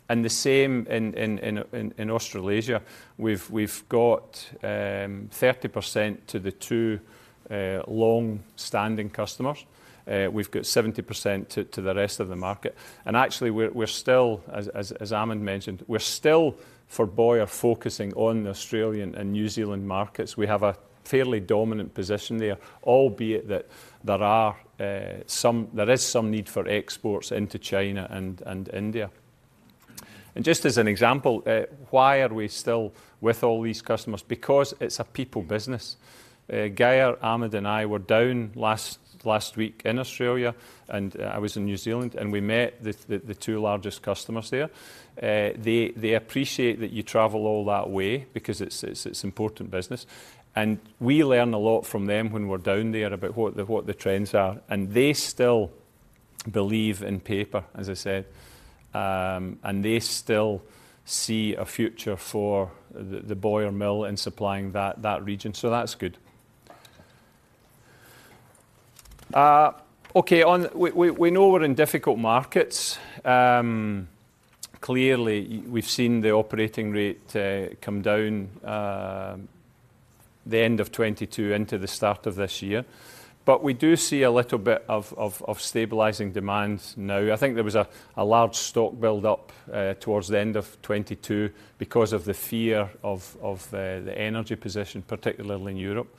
And the same in Australasia. We've got 30% to the two long-standing customers. We've got 70% to the rest of the market, and actually, we're still, as Amund mentioned, we're still, for Boyer, focusing on the Australian and New Zealand markets. We have a fairly dominant position there, albeit that there is some need for exports into China and India. And just as an example, why are we still with all these customers? Because it's a people business. Geir, Amund, and I were down last week in Australia, and I was in New Zealand, and we met the two largest customers there. They appreciate that you travel all that way because it's important business, and we learn a lot from them when we're down there about what the trends are, and they still believe in paper, as I said. And they still see a future for the Boyer mill in supplying that region, so that's good. Okay, on... We know we're in difficult markets. Clearly, you've seen the operating rate come down, the end of 2022 into the start of this year, but we do see a little bit of stabilizing demand now. I think there was a large stock build-up towards the end of 2022 because of the fear of the energy position, particularly in Europe.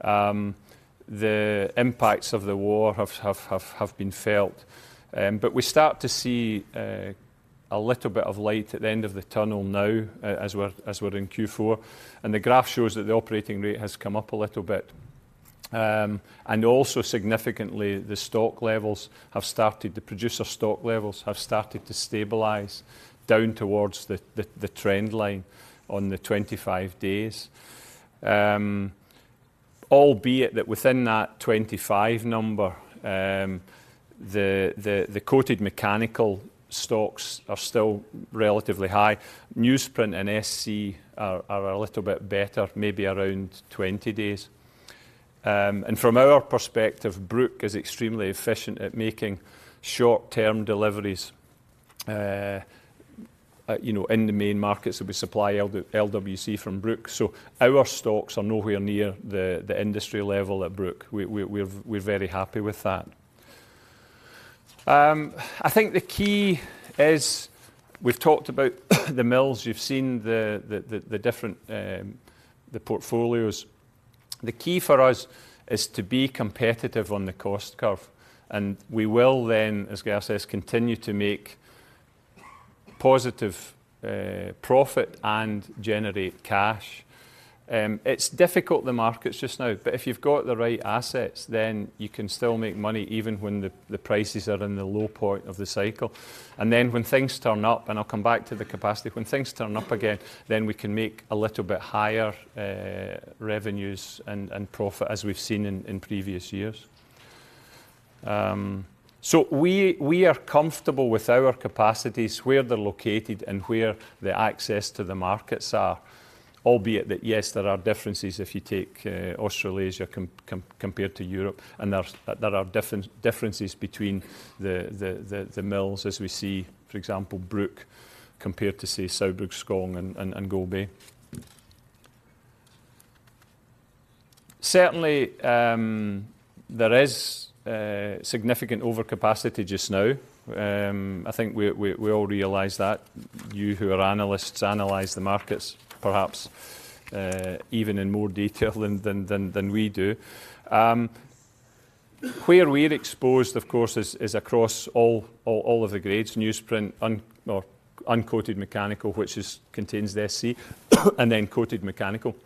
The impacts of the war have been felt, but we start to see a little bit of light at the end of the tunnel now, as we're in Q4, and the graph shows that the operating rate has come up a little bit. And also significantly, the stock levels have started, the producer stock levels have started to stabilize down towards the trend line on the 25 days. Albeit that within that 25 number, the coated mechanical stocks are still relatively high. Newsprint and SC are a little bit better, maybe around 20 days. And from our perspective, Bruck is extremely efficient at making short-term deliveries, you know, in the main markets that we supply LWC from Bruck. So our stocks are nowhere near the industry level at Bruck. We're very happy with that. I think the key is we've talked about the mills. You've seen the different portfolios. The key for us is to be competitive on the cost curve, and we will then, as Geir says, continue to make positive profit and generate cash. It's difficult, the markets just now, but if you've got the right assets, then you can still make money even when the prices are in the low point of the cycle. And then when things turn up, and I'll come back to the capacity, when things turn up again, then we can make a little bit higher revenues and profit, as we've seen in previous years. So we are comfortable with our capacities, where they're located, and where the access to the markets are. Albeit that, yes, there are differences if you take Australasia compared to Europe, and there are differences between the mills as we see, for example, Bruck, compared to, say, Saugbrugs, Skogn, and Golbey. Certainly, there is significant overcapacity just now. I think we all realize that. You, who are analysts, analyze the markets perhaps even in more detail than we do. Where we're exposed, of course, is across all of the grades: newsprint, uncoated mechanical, which contains the SC, and then coated mechanical.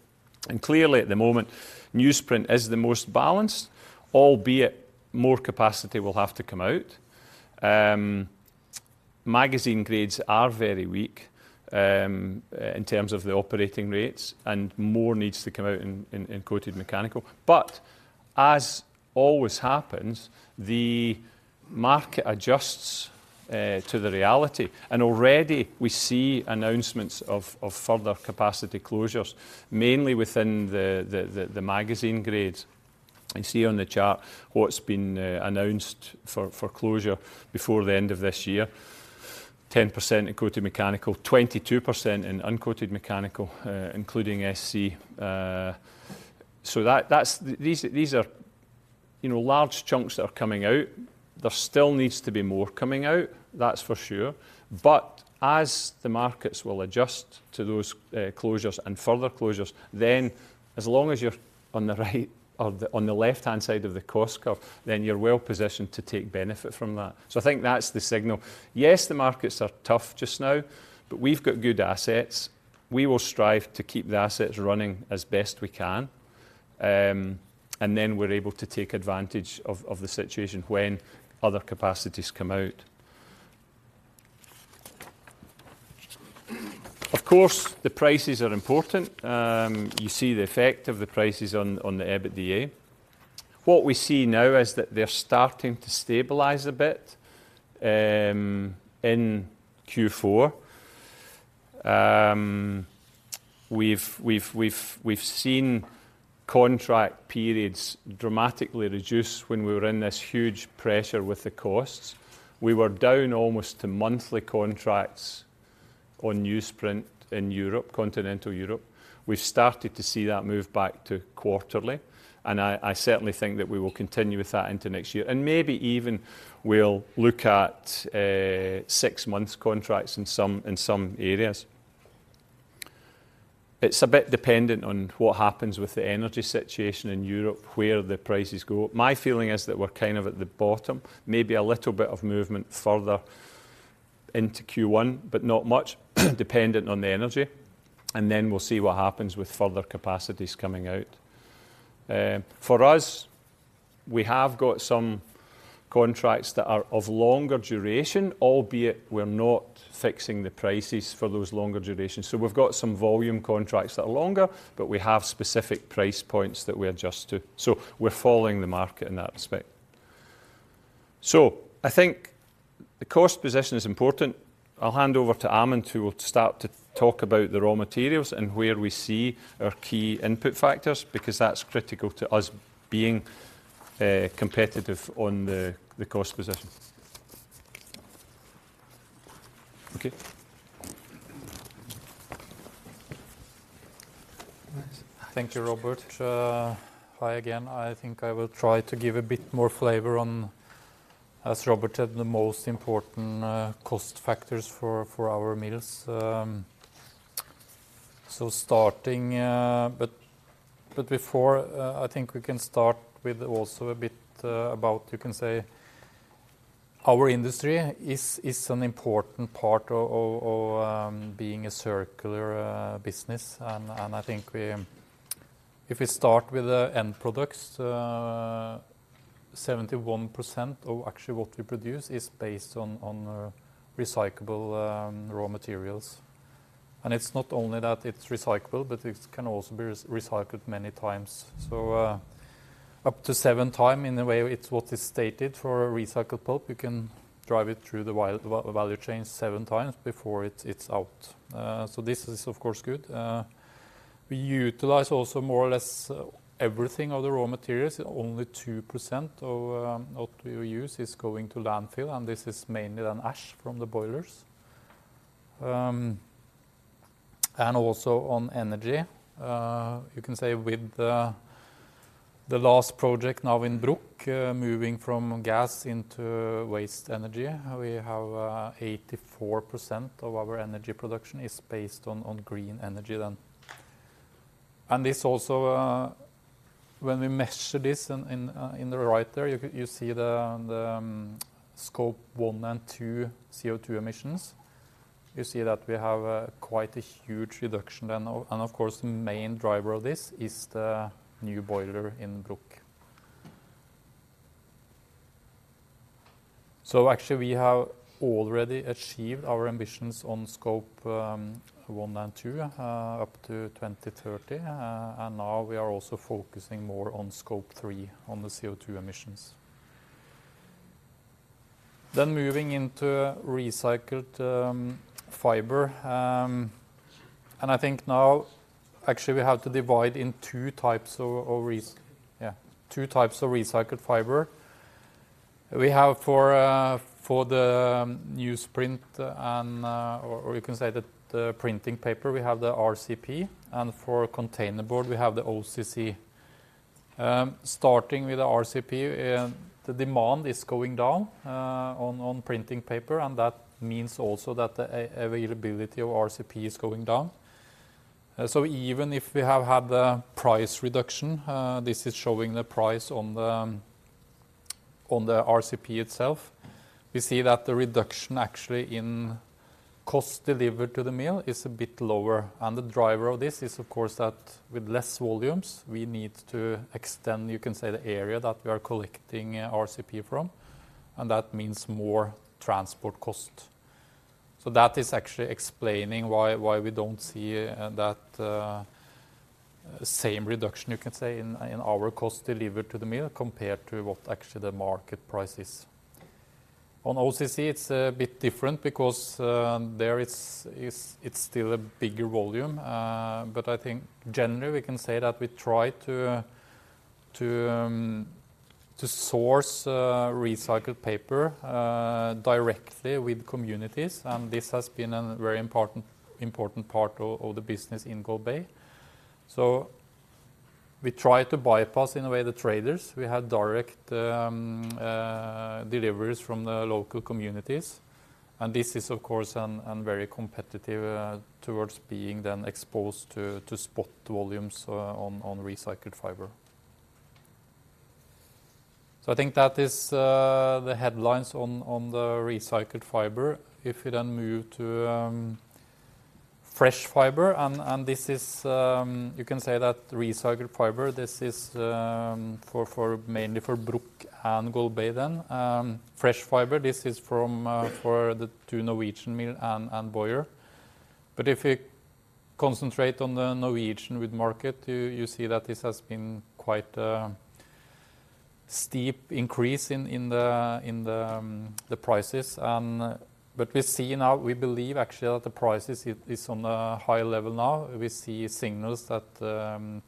And clearly, at the moment, newsprint is the most balanced, albeit more capacity will have to come out. Magazine grades are very weak in terms of the operating rates, and more needs to come out in coated mechanical. But as always happens, the market adjusts to the reality, and already we see announcements of further capacity closures, mainly within the magazine grades. You see on the chart what's been announced for closure before the end of this year. 10% in coated mechanical, 22% in uncoated mechanical, including SC. So that, that's... These, these are, you know, large chunks that are coming out. There still needs to be more coming out, that's for sure. But as the markets will adjust to those closures and further closures, then as long as you're on the right or the on the left-hand side of the cost curve, then you're well-positioned to take benefit from that. So I think that's the signal. Yes, the markets are tough just now, but we've got good assets. We will strive to keep the assets running as best we can. And then we're able to take advantage of the situation when other capacities come out. Of course, the prices are important. You see the effect of the prices on the EBITDA. What we see now is that they're starting to stabilize a bit in Q4. We've seen contract periods dramatically reduce when we were in this huge pressure with the costs. We were down almost to monthly contracts on newsprint in Europe, continental Europe. We've started to see that move back to quarterly, and I certainly think that we will continue with that into next year. And maybe even we'll look at six-month contracts in some areas. It's a bit dependent on what happens with the energy situation in Europe, where the prices go. My feeling is that we're kind of at the bottom, maybe a little bit of movement further into Q1, but not much, dependent on the energy, and then we'll see what happens with further capacities coming out. For us, we have got some contracts that are of longer duration, albeit we're not fixing the prices for those longer durations. So we've got some volume contracts that are longer, but we have specific price points that we adjust to. So we're following the market in that respect. So I think the cost position is important. I'll hand over to Amund, who will start to talk about the raw materials and where we see our key input factors, because that's critical to us being competitive on the cost position. Okay. Thank you, Robert. Hi again. I think I will try to give a bit more flavor on, as Robert said, the most important cost factors for our mills. So starting... But before, I think we can start with also a bit about, you can say, our industry is an important part of being a circular business. And I think we, if we start with the end products, 71% of actually what we produce is based on recyclable raw materials. And it's not only that it's recyclable, but it can also be recycled many times. So up to seven times, in a way, it's what is stated for recycled pulp. You can drive it through the value chain seven times before it, it's out. So this is, of course, good. We utilize also more or less everything of the raw materials. Only 2% of what we use is going to landfill, and this is mainly an ash from the boilers. And also on energy, you can say with the last project now in Bruck, moving from gas into waste energy, we have 84% of our energy production is based on green energy then. And this also, when we measure this in the right there, you can see the Scope 1 and 2 CO2 emissions. You see that we have quite a huge reduction then. And, of course, the main driver of this is the new boiler in Bruck. So actually we have already achieved our ambitions on Scope 1 and 2 up to 2030, and now we are also focusing more on Scope 3, on the CO2 emissions. Then moving into recycled fiber, and I think now actually we have to divide in two types of recycled fiber. We have for the newsprint and, or you can say the printing paper, we have the RCP, and for containerboard, we have the OCC. Starting with the RCP, the demand is going down on printing paper, and that means also that the availability of RCP is going down. So even if we have had the price reduction, this is showing the price on the RCP itself. We see that the reduction actually in cost delivered to the mill is a bit lower, and the driver of this is, of course, that with less volumes, we need to extend, you can say, the area that we are collecting RCP from, and that means more transport cost. So that is actually explaining why we don't see that same reduction, you can say, in our cost delivered to the mill compared to what actually the market price is. On OCC, it's a bit different because there it's still a bigger volume. But I think generally we can say that we try to source recycled paper directly with communities, and this has been a very important part of the business in Golbey. So we try to bypass, in a way, the traders. We have direct, deliveries from the local communities, and this is of course, an very competitive, towards being then exposed to, to spot volumes, on, on recycled fiber. So I think that is, the headlines on, on the recycled fiber. If you then move to, fresh fiber, and, and this is, you can say that recycled fiber, this is, for, for mainly for Bruck and Golbey then. Fresh fiber, this is from, for the two Norwegian mill and, and Boyer. But if you concentrate on the Norwegian wood market, you, you see that this has been quite a steep increase in, in the, in the, the prices, and... But we see now, we believe actually that the prices is, is on a high level now. We see signals that,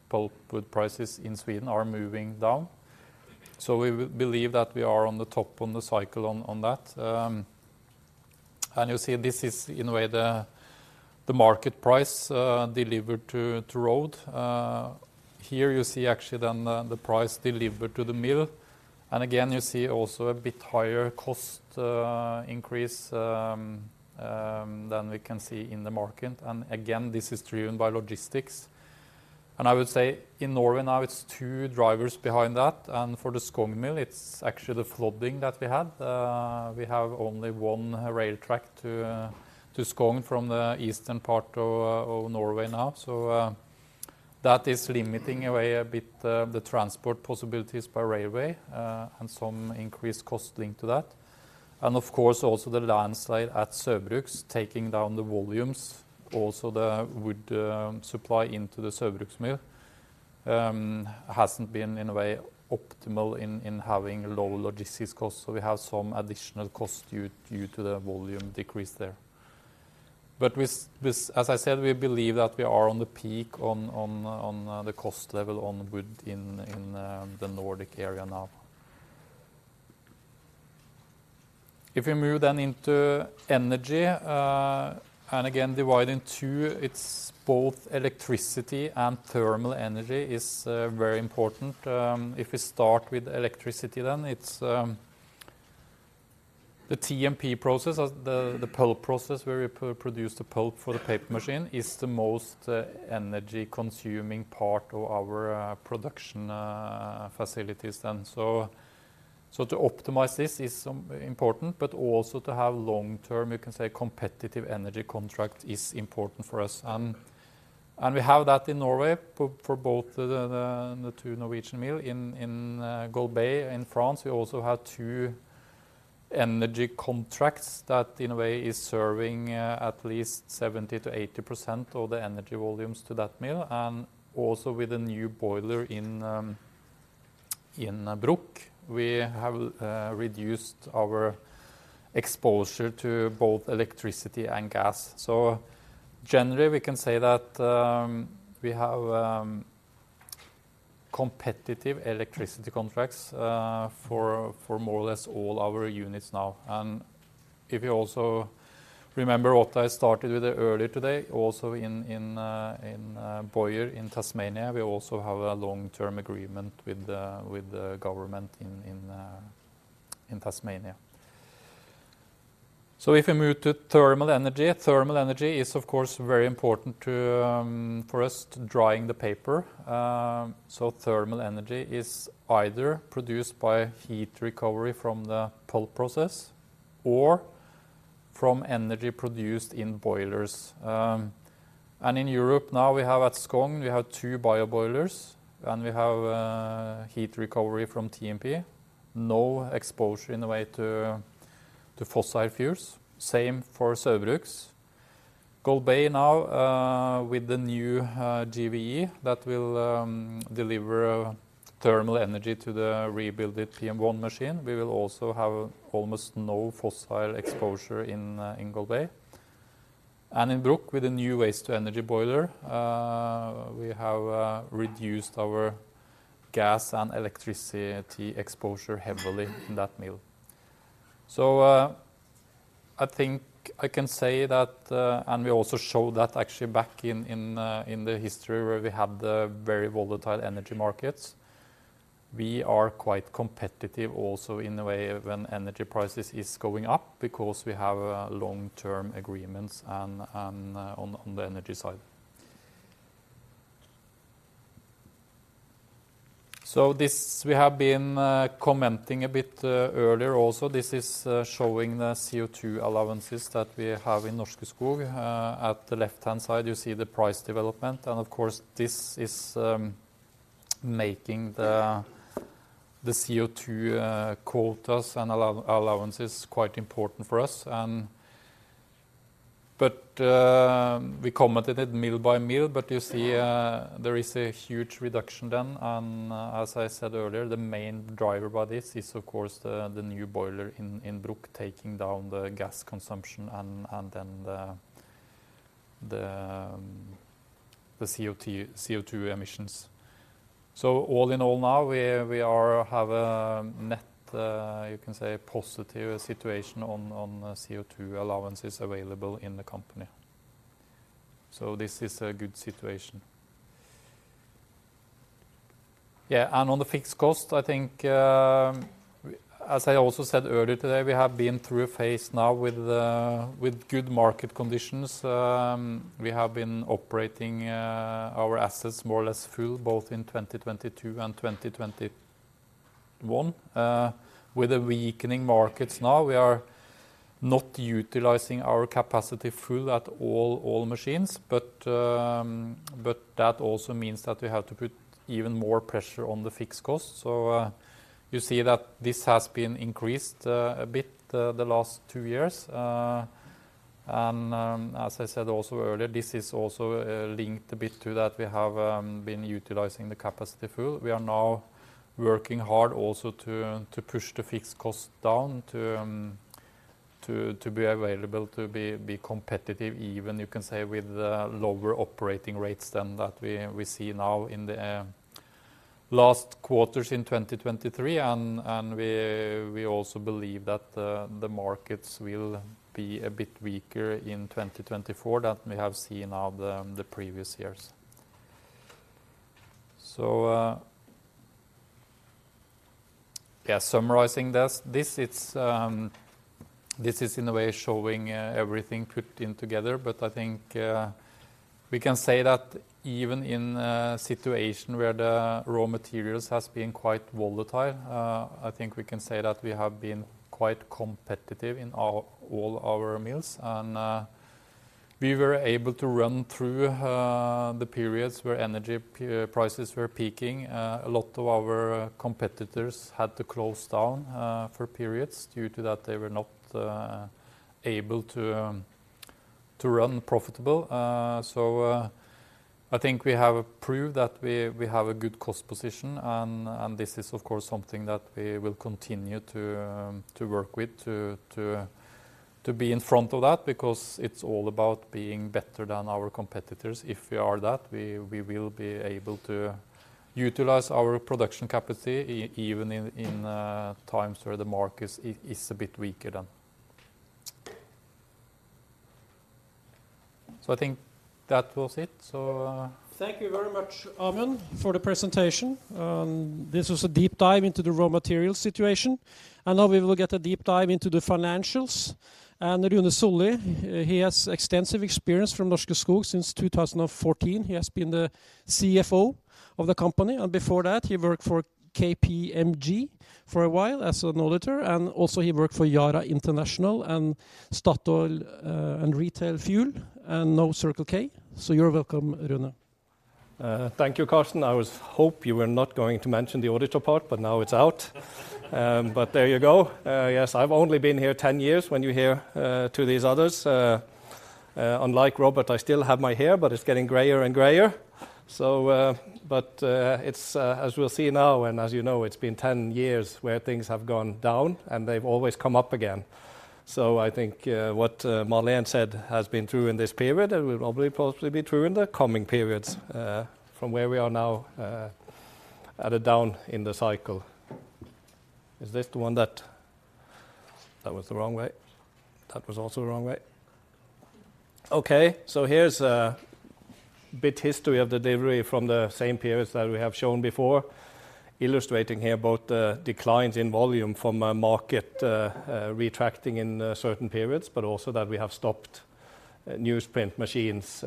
pulpwood prices in Sweden are moving down. So we believe that we are on the top of the cycle on that. And you see this is, in a way, the market price delivered to road. Here you see actually then the price delivered to the mill, and again, you see also a bit higher cost increase than we can see in the market, and again, this is driven by logistics. And I would say in Norway now, it's two drivers behind that, and for the Skogn mill, it's actually the flooding that we had. We have only one rail track to Skogn from the eastern part of Norway now, so that is limiting away a bit the transport possibilities by railway and some increased cost linked to that. Of course, also the landslide at Saugbrugs, taking down the volumes. Also, the wood supply into the Saugbrugs mill hasn't been, in a way, optimal in having low logistics costs, so we have some additional costs due to the volume decrease there. But with. As I said, we believe that we are on the peak on the cost level on wood in the Nordic area now. If we move then into energy, and again, divide in two, it's both electricity and thermal energy is very important. If we start with electricity, then it's the TMP process, the pulp process, where we produce the pulp for the paper machine, is the most energy-consuming part of our production facilities. And so, so to optimize this is important, but also to have long-term, you can say, competitive energy contract is important for us. And, and we have that in Norway for, for both the, the, the two Norwegian mill. In, in Golbey in France, we also have two energy contracts that, in a way, is serving, at least 70%-80% of the energy volumes to that mill, and also with a new boiler in, in Bruck, we have, reduced our exposure to both electricity and gas. So generally, we can say that, we have, competitive electricity contracts, for, for more or less all our units now. And if you also remember what I started with earlier today, also in Boyer, in Tasmania, we also have a long-term agreement with the government in Tasmania. So if we move to thermal energy, thermal energy is, of course, very important to for us to drying the paper. So thermal energy is either produced by heat recovery from the pulp process or from energy produced in boilers. And in Europe now we have, at Skogn, we have two bio boilers, and we have heat recovery from TMP. No exposure in the way to fossil fuels. Same for Saugbrugs. Golbey now with the new GVE, that will deliver thermal energy to the rebuilt PM1 machine. We will also have almost no fossil exposure in Golbey. And in Bruck, with the new waste-to-energy boiler, we have reduced our gas and electricity exposure heavily in that mill. So, I think I can say that, and we also showed that actually back in, in the history where we had the very volatile energy markets, we are quite competitive also in the way when energy prices is going up because we have long-term agreements and, on the energy side. So this, we have been commenting a bit earlier also. This is showing the CO2 allowances that we have in Norske Skog. At the left-hand side, you see the price development, and of course, this is making the CO2 quotas and allowances quite important for us, and... But we commented it mill by mill, but you see, there is a huge reduction then, and as I said earlier, the main driver by this is, of course, the new boiler in Bruck, taking down the gas consumption and then the cut CO2 emissions. So all in all now, we have a net, you can say, positive situation on CO2 allowances available in the company. So this is a good situation. Yeah, and on the fixed cost, I think, as I also said earlier today, we have been through a phase now with good market conditions. We have been operating our assets more or less full, both in 2022 and 2021. With the weakening markets now, we are not utilizing our capacity full at all, all machines, but, but that also means that we have to put even more pressure on the fixed costs. So, you see that this has been increased, a bit, the last two years. And, as I said also earlier, this is also, linked a bit to that we have, been utilizing the capacity full. We are now working hard also to, to push the fixed cost down, to, to, to be available, to be, be competitive, even you can say, with the lower operating rates than that we, we see now in the, last quarters in 2023. And, and we, we also believe that the, the markets will be a bit weaker in 2024 than we have seen now the, the previous years. So, yeah, summarizing this, this is in a way showing everything put in together, but I think we can say that even in a situation where the raw materials has been quite volatile, I think we can say that we have been quite competitive in all our mills. And we were able to run through the periods where energy prices were peaking. A lot of our competitors had to close down for periods due to that they were not able to to run profitable. So, I think we have proved that we have a good cost position, and this is, of course, something that we will continue to to work with, to be in front of that, because it's all about being better than our competitors. If we are that, we will be able to utilize our production capacity even in times where the market is a bit weaker than. So I think that was it, so. Thank you very much, Amund, for the presentation. This was a deep dive into the raw material situation, and now we will get a deep dive into the financials. Rune Sollie, he has extensive experience from Norske Skog. Since 2014, he has been the CFO of the company, and before that, he worked for KPMG for a while as an auditor, and also he worked for Yara International and Statoil Fuel and Retail, and now Circle K. You're welcome, Rune. Thank you, Carsten. I had hoped you were not going to mention the auditor part, but now it's out. But there you go. Yes, I've only been here 10 years, when you hear to these others. Unlike Robert, I still have my hair, but it's getting grayer and grayer. So, but, it's as we'll see now, and as you know, it's been 10 years where things have gone down, and they've always come up again. So I think what Marleen said has been true in this period, and will probably, possibly be true in the coming periods, from where we are now, at a down in the cycle. Is this the one that... That was the wrong way. That was also the wrong way? ...Okay, so here's a bit history of the delivery from the same periods that we have shown before, illustrating here both the declines in volume from a market retracting in certain periods, but also that we have stopped newsprint machines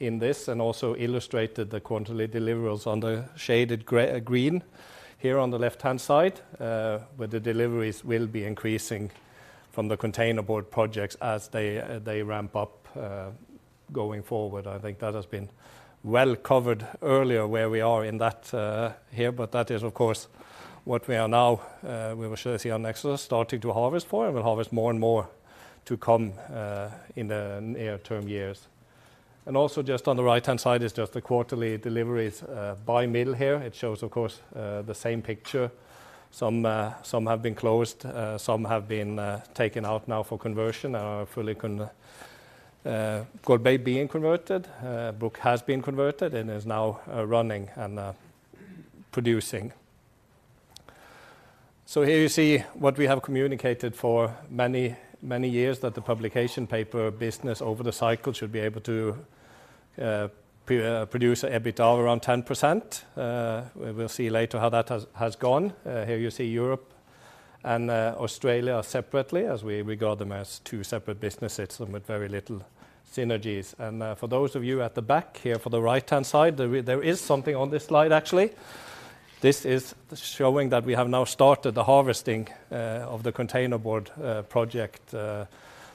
in this, and also illustrated the quarterly deliverables on the shaded green here on the left-hand side, where the deliveries will be increasing from the containerboard projects as they ramp up going forward. I think that has been well covered earlier, where we are in that here, but that is, of course, what we are now we will surely see on Nexus, starting to harvest for, and we'll harvest more and more to come in the near-term years. And also just on the right-hand side is just the quarterly deliveries by middle here. It shows, of course, the same picture. Some, some have been closed, some have been taken out now for conversion and are fully converted, Golbey being converted, Bruck has been converted and is now running and producing. So here you see what we have communicated for many, many years, that the publication paper business over the cycle should be able to produce an EBITDA around 10%. We will see later how that has gone. Here you see Europe and Australia separately, as we regard them as two separate businesses and with very little synergies. And, for those of you at the back here, for the right-hand side, there is something on this slide, actually. This is showing that we have now started the harvesting of the containerboard project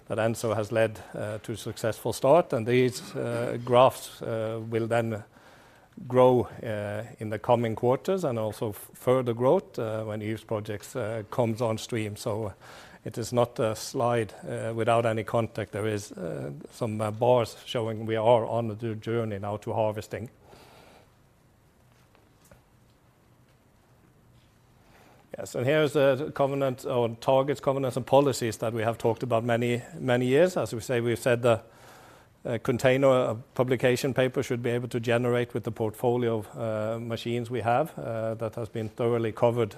that also has led to a successful start. And these graphs will then grow in the coming quarters and also further growth when these projects comes on stream. So it is not a slide without any contact. There is some bars showing we are on the journey now to harvesting. Yes, and here is the covenant on targets, covenants, and policies that we have talked about many, many years. As we say, we've said the container publication paper should be able to generate with the portfolio of machines we have that has been thoroughly covered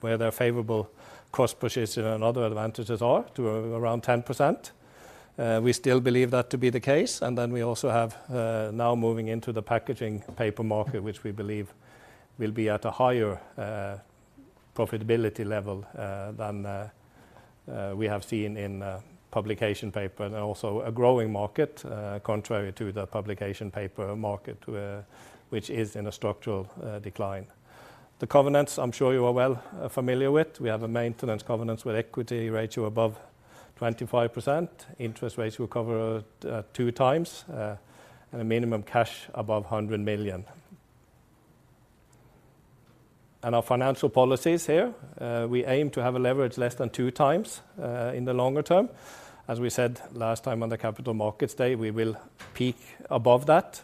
where their favorable cost position and other advantages are to around 10%. We still believe that to be the case, and then we also have, now moving into the packaging paper market, which we believe will be at a higher, profitability level, than we have seen in, publication paper, and also a growing market, contrary to the publication paper market, which is in a structural, decline. The covenants, I'm sure you are well, familiar with. We have a maintenance covenants with equity ratio above 25%. Interest rates will cover, 2x, and a minimum cash above 100 million. And our financial policies here, we aim to have a leverage less than 2x, in the longer term. As we said last time on the Capital Markets Day, we will peak above that,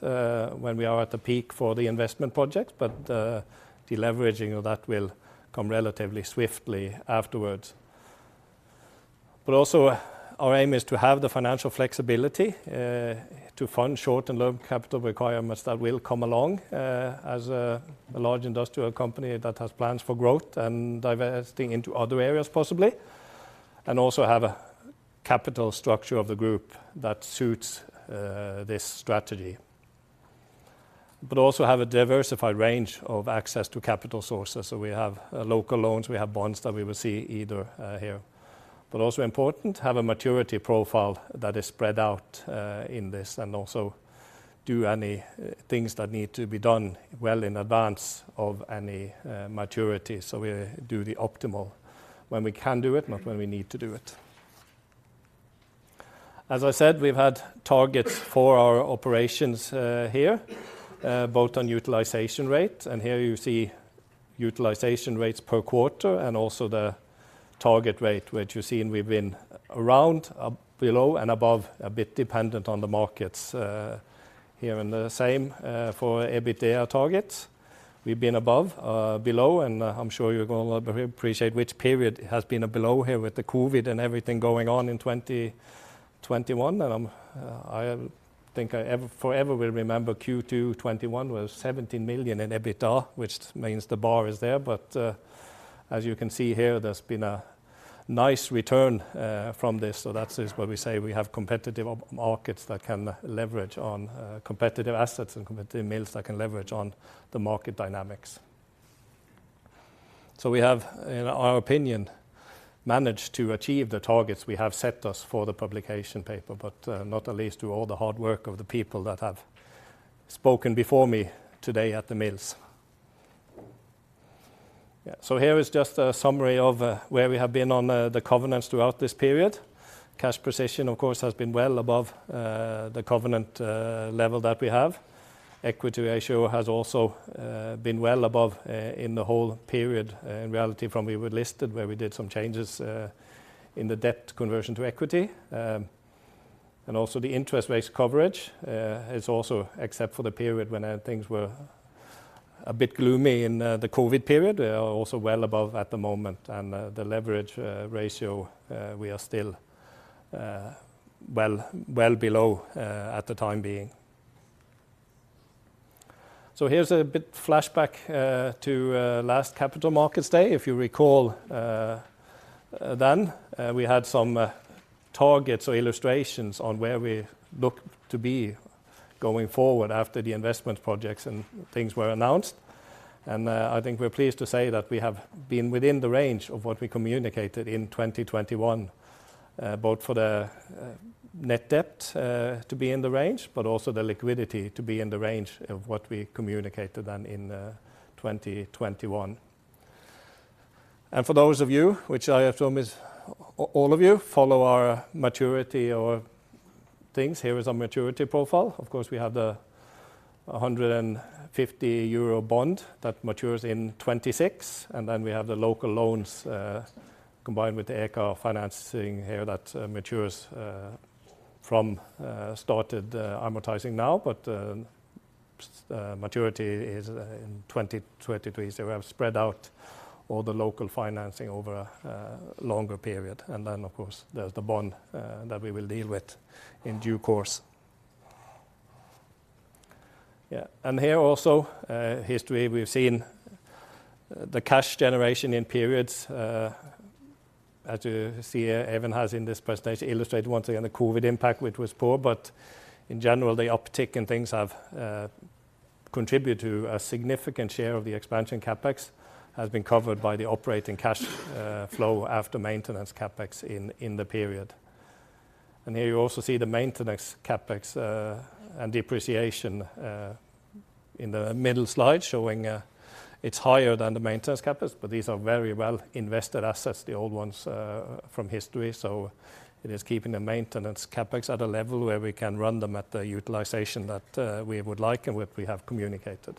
when we are at the peak for the investment project, but the leveraging of that will come relatively swiftly afterwards. But also, our aim is to have the financial flexibility to fund short and long capital requirements that will come along, as a large industrial company that has plans for growth and divesting into other areas, possibly, and also have a capital structure of the group that suits this strategy. But also have a diversified range of access to capital sources. So we have local loans, we have bonds that we will see either here. But also important, have a maturity profile that is spread out in this, and also do any things that need to be done well in advance of any maturity. So we do the optimal when we can do it, not when we need to do it. As I said, we've had targets for our operations, here, both on utilization rate, and here you see utilization rates per quarter and also the target rate, which you've seen we've been around, up, below, and above, a bit dependent on the markets, here. And the same, for EBITDA targets. We've been above, below, and I'm sure you're gonna appreciate which period has been below here with the COVID and everything going on in 2021. And I'm, I think I ever, forever will remember Q2 2021, where 17 million in EBITDA, which means the bar is there. But, as you can see here, there's been a nice return, from this. So that is why we say we have competitive markets that can leverage on competitive assets and competitive mills that can leverage on the market dynamics. So we have, in our opinion, managed to achieve the targets we have set us for the publication paper, but not least to all the hard work of the people that have spoken before me today at the mills. Yeah, so here is just a summary of where we have been on the covenants throughout this period. Cash position, of course, has been well above the covenant level that we have. Equity ratio has also been well above in the whole period, in reality, from we were listed, where we did some changes in the debt conversion to equity. And also the interest rates coverage is also, except for the period when things were a bit gloomy in the COVID period, also well above at the moment. And the leverage ratio we are still well below at the time being. So here's a bit flashback to last Capital Markets Day. If you recall, then we had some targets or illustrations on where we look to be going forward after the investment projects and things were announced. And I think we're pleased to say that we have been within the range of what we communicated in 2021, both for the net debt to be in the range, but also the liquidity to be in the range of what we communicated then in 2021. For those of you, which I assume is all of you, follow our maturity or things, here is our maturity profile. Of course, we have the 150 euro bond that matures in 2026, and then we have the local loans combined with the Aker financing here that matures from started amortizing now, but maturity is in 2023. So we have spread out all the local financing over a longer period, and then, of course, there's the bond that we will deal with in due course. Yeah, and here also, history, we've seen the cash generation in periods, as you see, Even has in this presentation illustrated once again the COVID impact, which was poor, but in general, the uptick in things have contributed to a significant share of the expansion CapEx has been covered by the operating cash flow after maintenance CapEx in the period. And here you also see the maintenance CapEx and depreciation in the middle slide, showing it's higher than the maintenance CapEx, but these are very well invested assets, the old ones from history. So it is keeping the maintenance CapEx at a level where we can run them at the utilization that we would like and what we have communicated.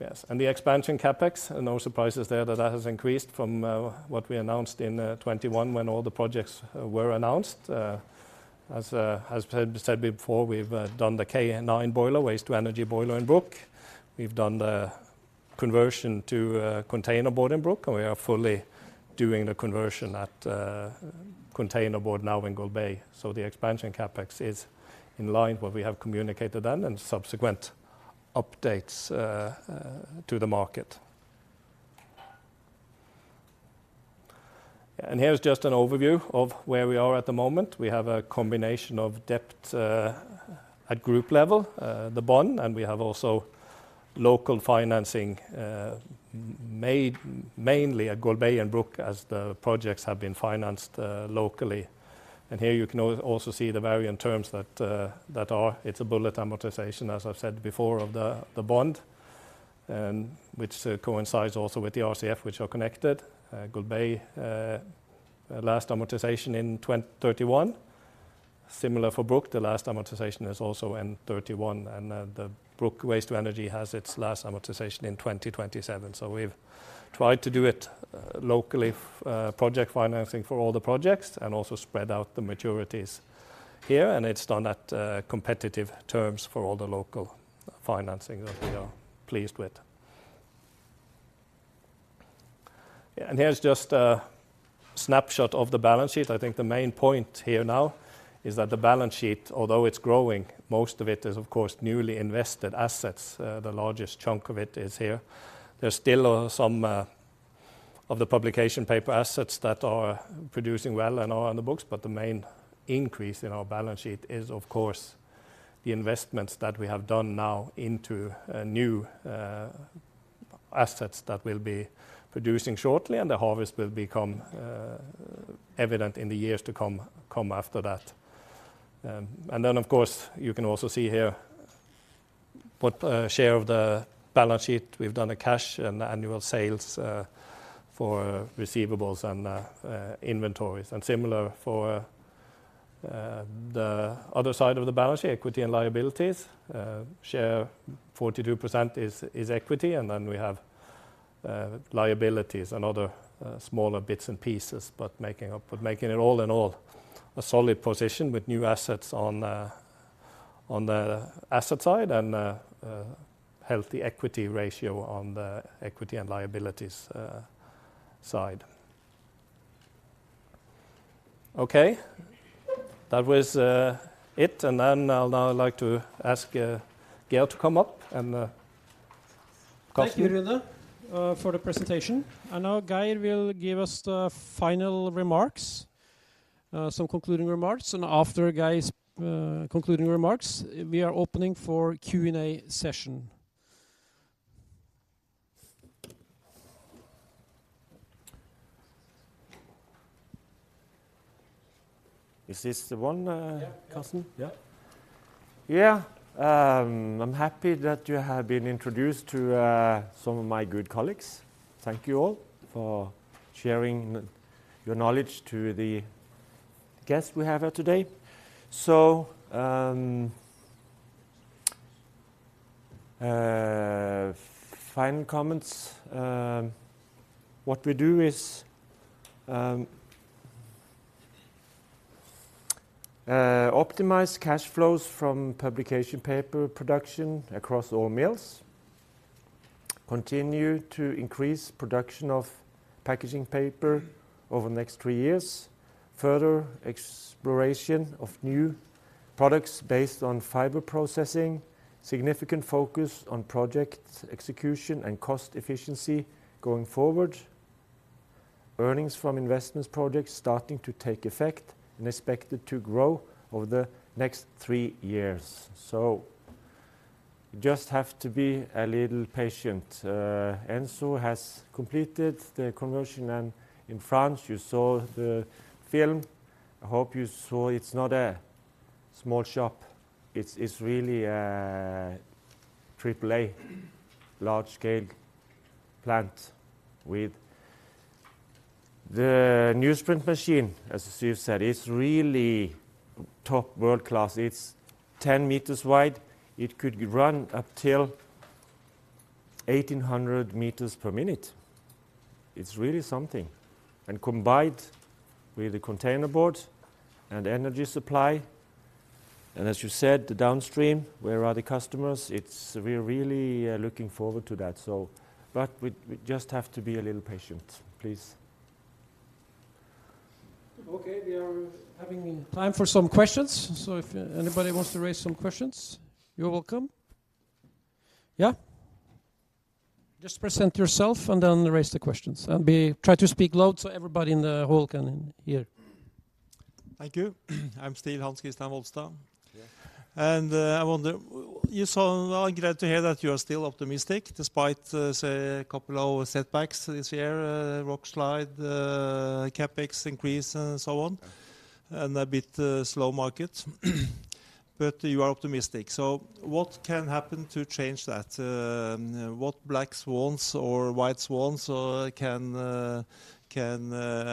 Yes, and the expansion CapEx, no surprises there, that has increased from what we announced in 2021 when all the projects were announced. As said, said before, we've done the K9 boiler, waste-to-energy boiler in Bruck. We've done the conversion to containerboard in Bruck, and we are fully doing the conversion at containerboard now in Golbey. So the expansion CapEx is in line what we have communicated then and subsequent updates to the market. And here's just an overview of where we are at the moment. We have a combination of debt at group level, the bond, and we have also local financing made mainly at Golbey and Bruck as the projects have been financed locally. Here you can also see the varying terms that are. It's a bullet amortization, as I've said before, of the bond, and which coincides also with the RCF, which are connected. Golbey, last amortization in 2031. Similar for Bruck, the last amortization is also in 2031, and the Bruck waste-to-energy has its last amortization in 2027. So we've tried to do it locally, project financing for all the projects and also spread out the maturities here, and it's done at competitive terms for all the local financing that we are pleased with. Yeah, and here's just a snapshot of the balance sheet. I think the main point here now is that the balance sheet, although it's growing, most of it is, of course, newly invested assets. The largest chunk of it is here. There's still some of the publication paper assets that are producing well and are on the books, but the main increase in our balance sheet is, of course, the investments that we have done now into new assets that will be producing shortly, and the harvest will become evident in the years to come, come after that. And then, of course, you can also see here what share of the balance sheet we've done a cash and annual sales for receivables and inventories. Similar for the other side of the balance sheet, equity and liabilities, share 42% is equity, and then we have liabilities and other smaller bits and pieces, but making it all in all, a solid position with new assets on the asset side and a healthy equity ratio on the equity and liabilities side. Okay. That was it, and then I'll now like to ask Geir to come up and Carsten? Thank you, Rune, for the presentation. And now Geir will give us the final remarks, some concluding remarks, and after Geir's concluding remarks, we are opening for Q&A session. Is this the one, Carsten? Yeah. Yeah. I'm happy that you have been introduced to some of my good colleagues. Thank you all for sharing your knowledge to the guests we have here today. Final comments, what we do is optimize cash flows from publication paper production across all mills.... continue to increase production of packaging paper over the next three years. Further exploration of new products based on fiber processing, significant focus on project execution and cost efficiency going forward. Earnings from investments projects starting to take effect and expected to grow over the next three years. So you just have to be a little patient. Ensu has completed the conversion, and in France, you saw the film. I hope you saw it's not a small shop. It's, it's really a AAA large-scale plant with the newsprint machine, as you said, is really top world-class. It's 10 meters wide. It could run up till 1,800 meters per minute. It's really something. Combined with the containerboard and energy supply, and as you said, the downstream, where are the customers? It's. We're really looking forward to that, so but we, we just have to be a little patient, please. Okay, we are having time for some questions, so if anybody wants to raise some questions, you're welcome. Yeah? Just present yourself and then raise the questions. Try to speak loud so everybody in the hall can hear. Thank you. I'm still Hans Christian Molstad. Yeah. I wonder, you sound glad to hear that you are still optimistic, despite, say, a couple of setbacks this year, rockslide, CapEx increase, and so on- Yeah... and a bit slow market. But you are optimistic. So what can happen to change that? What black swans or white swans can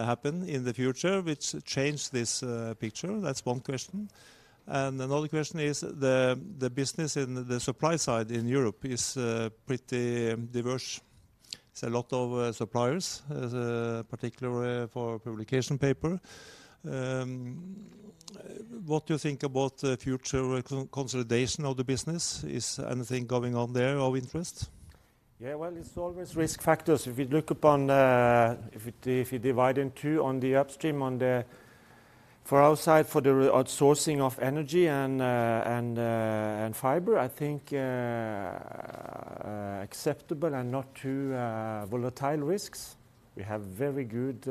happen in the future, which change this picture? That's one question. And another question is, the business in the supply side in Europe is pretty diverse. It's a lot of suppliers, particularly for publication paper. What do you think about the future consolidation of the business? Is anything going on there of interest? Yeah, well, it's always risk factors. If you look upon, if you divide in two on the upstream, on the for outside, for the outsourcing of energy and fiber, I think, acceptable and not too volatile risks. We have very good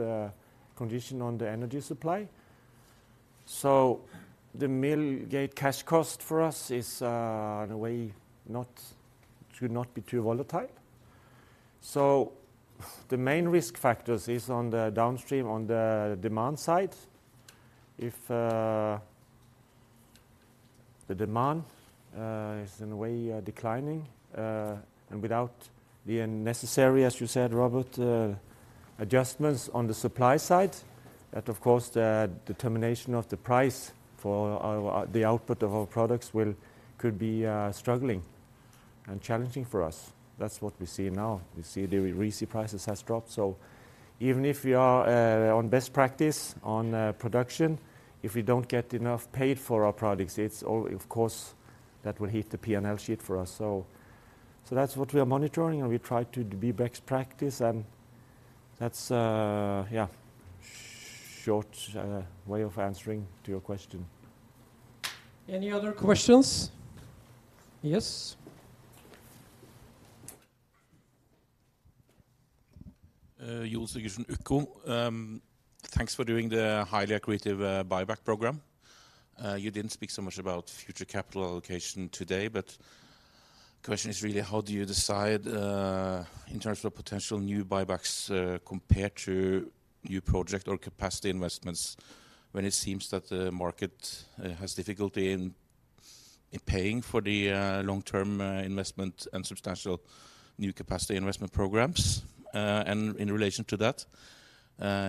condition on the energy supply. So the mill gate cash cost for us is, in a way, not, should not be too volatile. So the main risk factors is on the downstream, on the demand side. If the demand is in a way declining, and without the unnecessary, as you said, Robert, adjustments on the supply side, that of course, the determination of the price for our, the output of our products will-could be struggling and challenging for us. That's what we see now. We see the RCP prices has dropped. So even if we are on best practice on production, if we don't get enough paid for our products, it's, of course, that will hit the P&L sheet for us. So, so that's what we are monitoring, and we try to be best practice, and that's, yeah, short way of answering to your question. Any other questions? Yes. [Joel Sigurdsson], [Yuko]. Thanks for doing the highly accretive buyback program. You didn't speak so much about future capital allocation today, but question is really, how do you decide in terms of potential new buybacks compared to new project or capacity investments, when it seems that the market has difficulty in paying for the long-term investment and substantial new capacity investment programs? And in relation to that,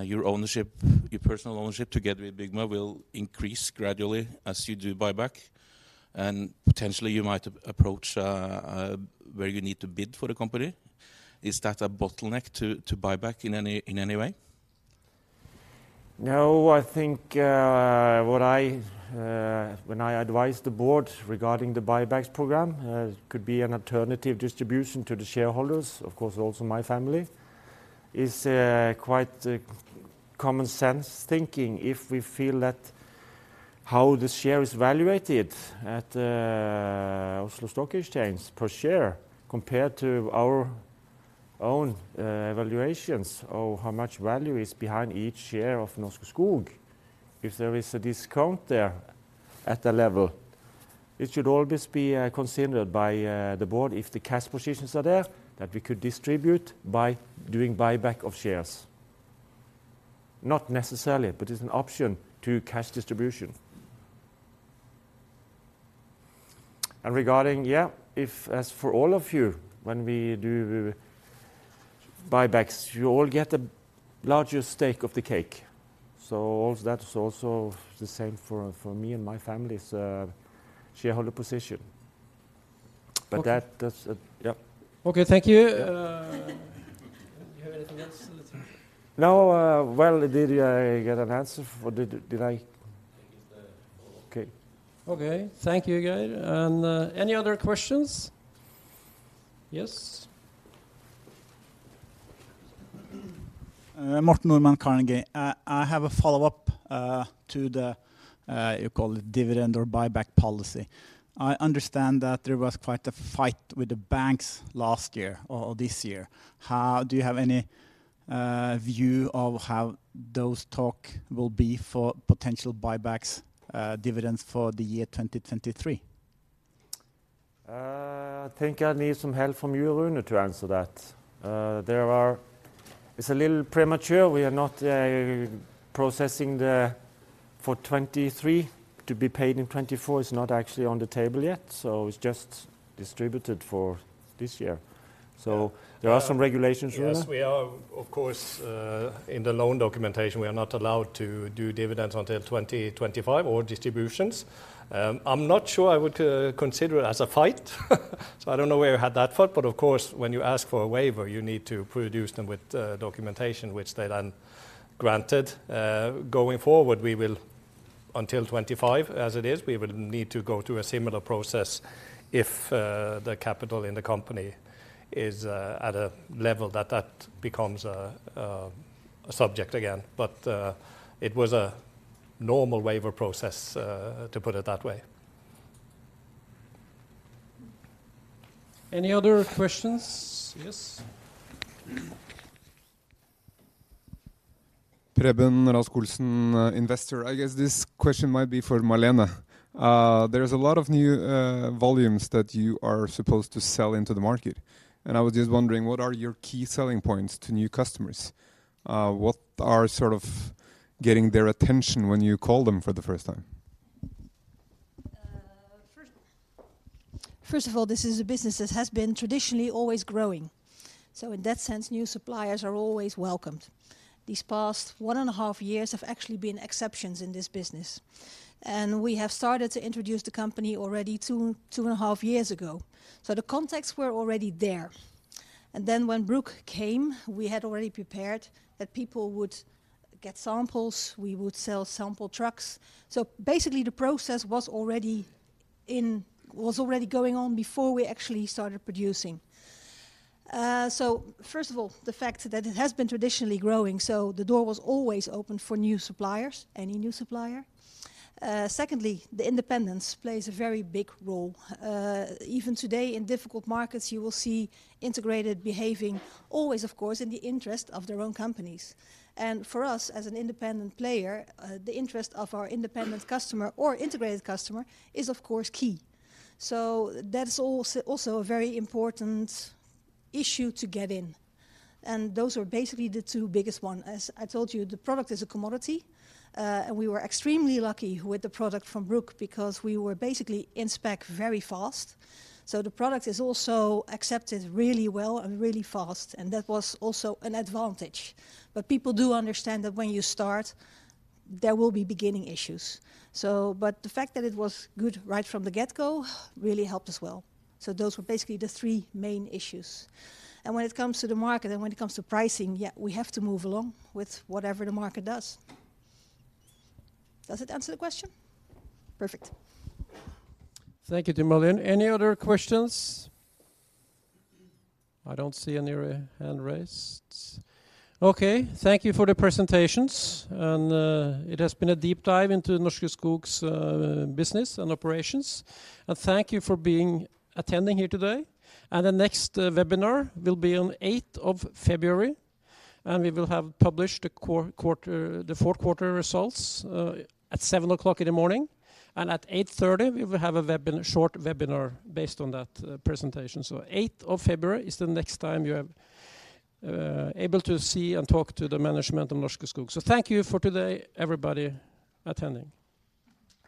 your ownership, your personal ownership, together with Byggma, will increase gradually as you do buyback, and potentially you might approach where you need to bid for the company. Is that a bottleneck to buyback in any way? No, I think what I, when I advise the board regarding the buybacks program, could be an alternative distribution to the shareholders, of course also my family, is quite common sense thinking. If we feel that how the share is valuated at Oslo Stock Exchange per share, compared to our own valuations of how much value is behind each share of Norske Skog, if there is a discount there at a level, it should always be considered by the board if the cash positions are there, that we could distribute by doing buyback of shares. Not necessarily, but it's an option to cash distribution. And regarding, yeah, if as for all of you, when we do buybacks, you all get the largest stake of the cake. So also, that's also the same for me and my family's shareholder position. But that, that's it. Yep. Okay, thank you,... Now, well, did I get an answer for, did I? I think it's the- Okay. Okay. Thank you, guys. Any other questions? Yes. Morten Normann, Carnegie. I have a follow-up to the, you call it, dividend or buyback policy. I understand that there was quite a fight with the banks last year or this year. How do you have any view of how those talk will be for potential buybacks, dividends for the year 2023? I think I need some help from you, Rune, to answer that. There are. It's a little premature. We are not processing for 2023, to be paid in 2024. It's not actually on the table yet, so it's just distributed for this year. So there are some regulations, Rune? Yes, we are, of course, in the loan documentation, we are not allowed to do dividends until 2025 or distributions. I'm not sure I would consider it as a fight, so I don't know where you had that thought. But of course, when you ask for a waiver, you need to produce them with documentation, which they then granted. Going forward, we will, until 2025, as it is, we will need to go through a similar process if the capital in the company is at a level that that becomes a subject again. But it was a normal waiver process to put it that way. Any other questions? Yes. Preben Rasch-Olsen, investor. I guess this question might be for Marleen. There's a lot of new volumes that you are supposed to sell into the market, and I was just wondering, what are your key selling points to new customers? What are sort of getting their attention when you call them for the first time? First of all, this is a business that has been traditionally always growing. So in that sense, new suppliers are always welcomed. These past one and a half years have actually been exceptions in this business, and we have started to introduce the company already two and a half years ago. So the contacts were already there. And then when Bruck came, we had already prepared that people would get samples, we would sell sample trucks. So basically, the process was already going on before we actually started producing. So first of all, the fact that it has been traditionally growing, so the door was always open for new suppliers, any new supplier. Secondly, the independence plays a very big role. Even today, in difficult markets, you will see integrated behaving always, of course, in the interest of their own companies. For us, as an independent player, the interest of our independent customer or integrated customer is of course key. So that is also a very important issue to get in, and those are basically the two biggest one. As I told you, the product is a commodity, and we were extremely lucky with the product from Bruck because we were basically in spec very fast. So the product is also accepted really well and really fast, and that was also an advantage. But people do understand that when you start, there will be beginning issues. So, but the fact that it was good right from the get-go really helped as well. So those were basically the three main issues. And when it comes to the market and when it comes to pricing, yeah, we have to move along with whatever the market does. Does it answer the question? Perfect. Thank you to Marleen. Any other questions? I don't see any other hand raised. Okay, thank you for the presentations, and it has been a deep dive into Norske Skog's business and operations. Thank you for attending here today. The next webinar will be on 8th of February, and we will have published the Q4, the fourth quarter results, at 7:00 A.M., and at 8:30 A.M., we will have a short webinar based on that presentation. So 8th of February is the next time you are able to see and talk to the management of Norske Skog. So thank you for today, everybody attending.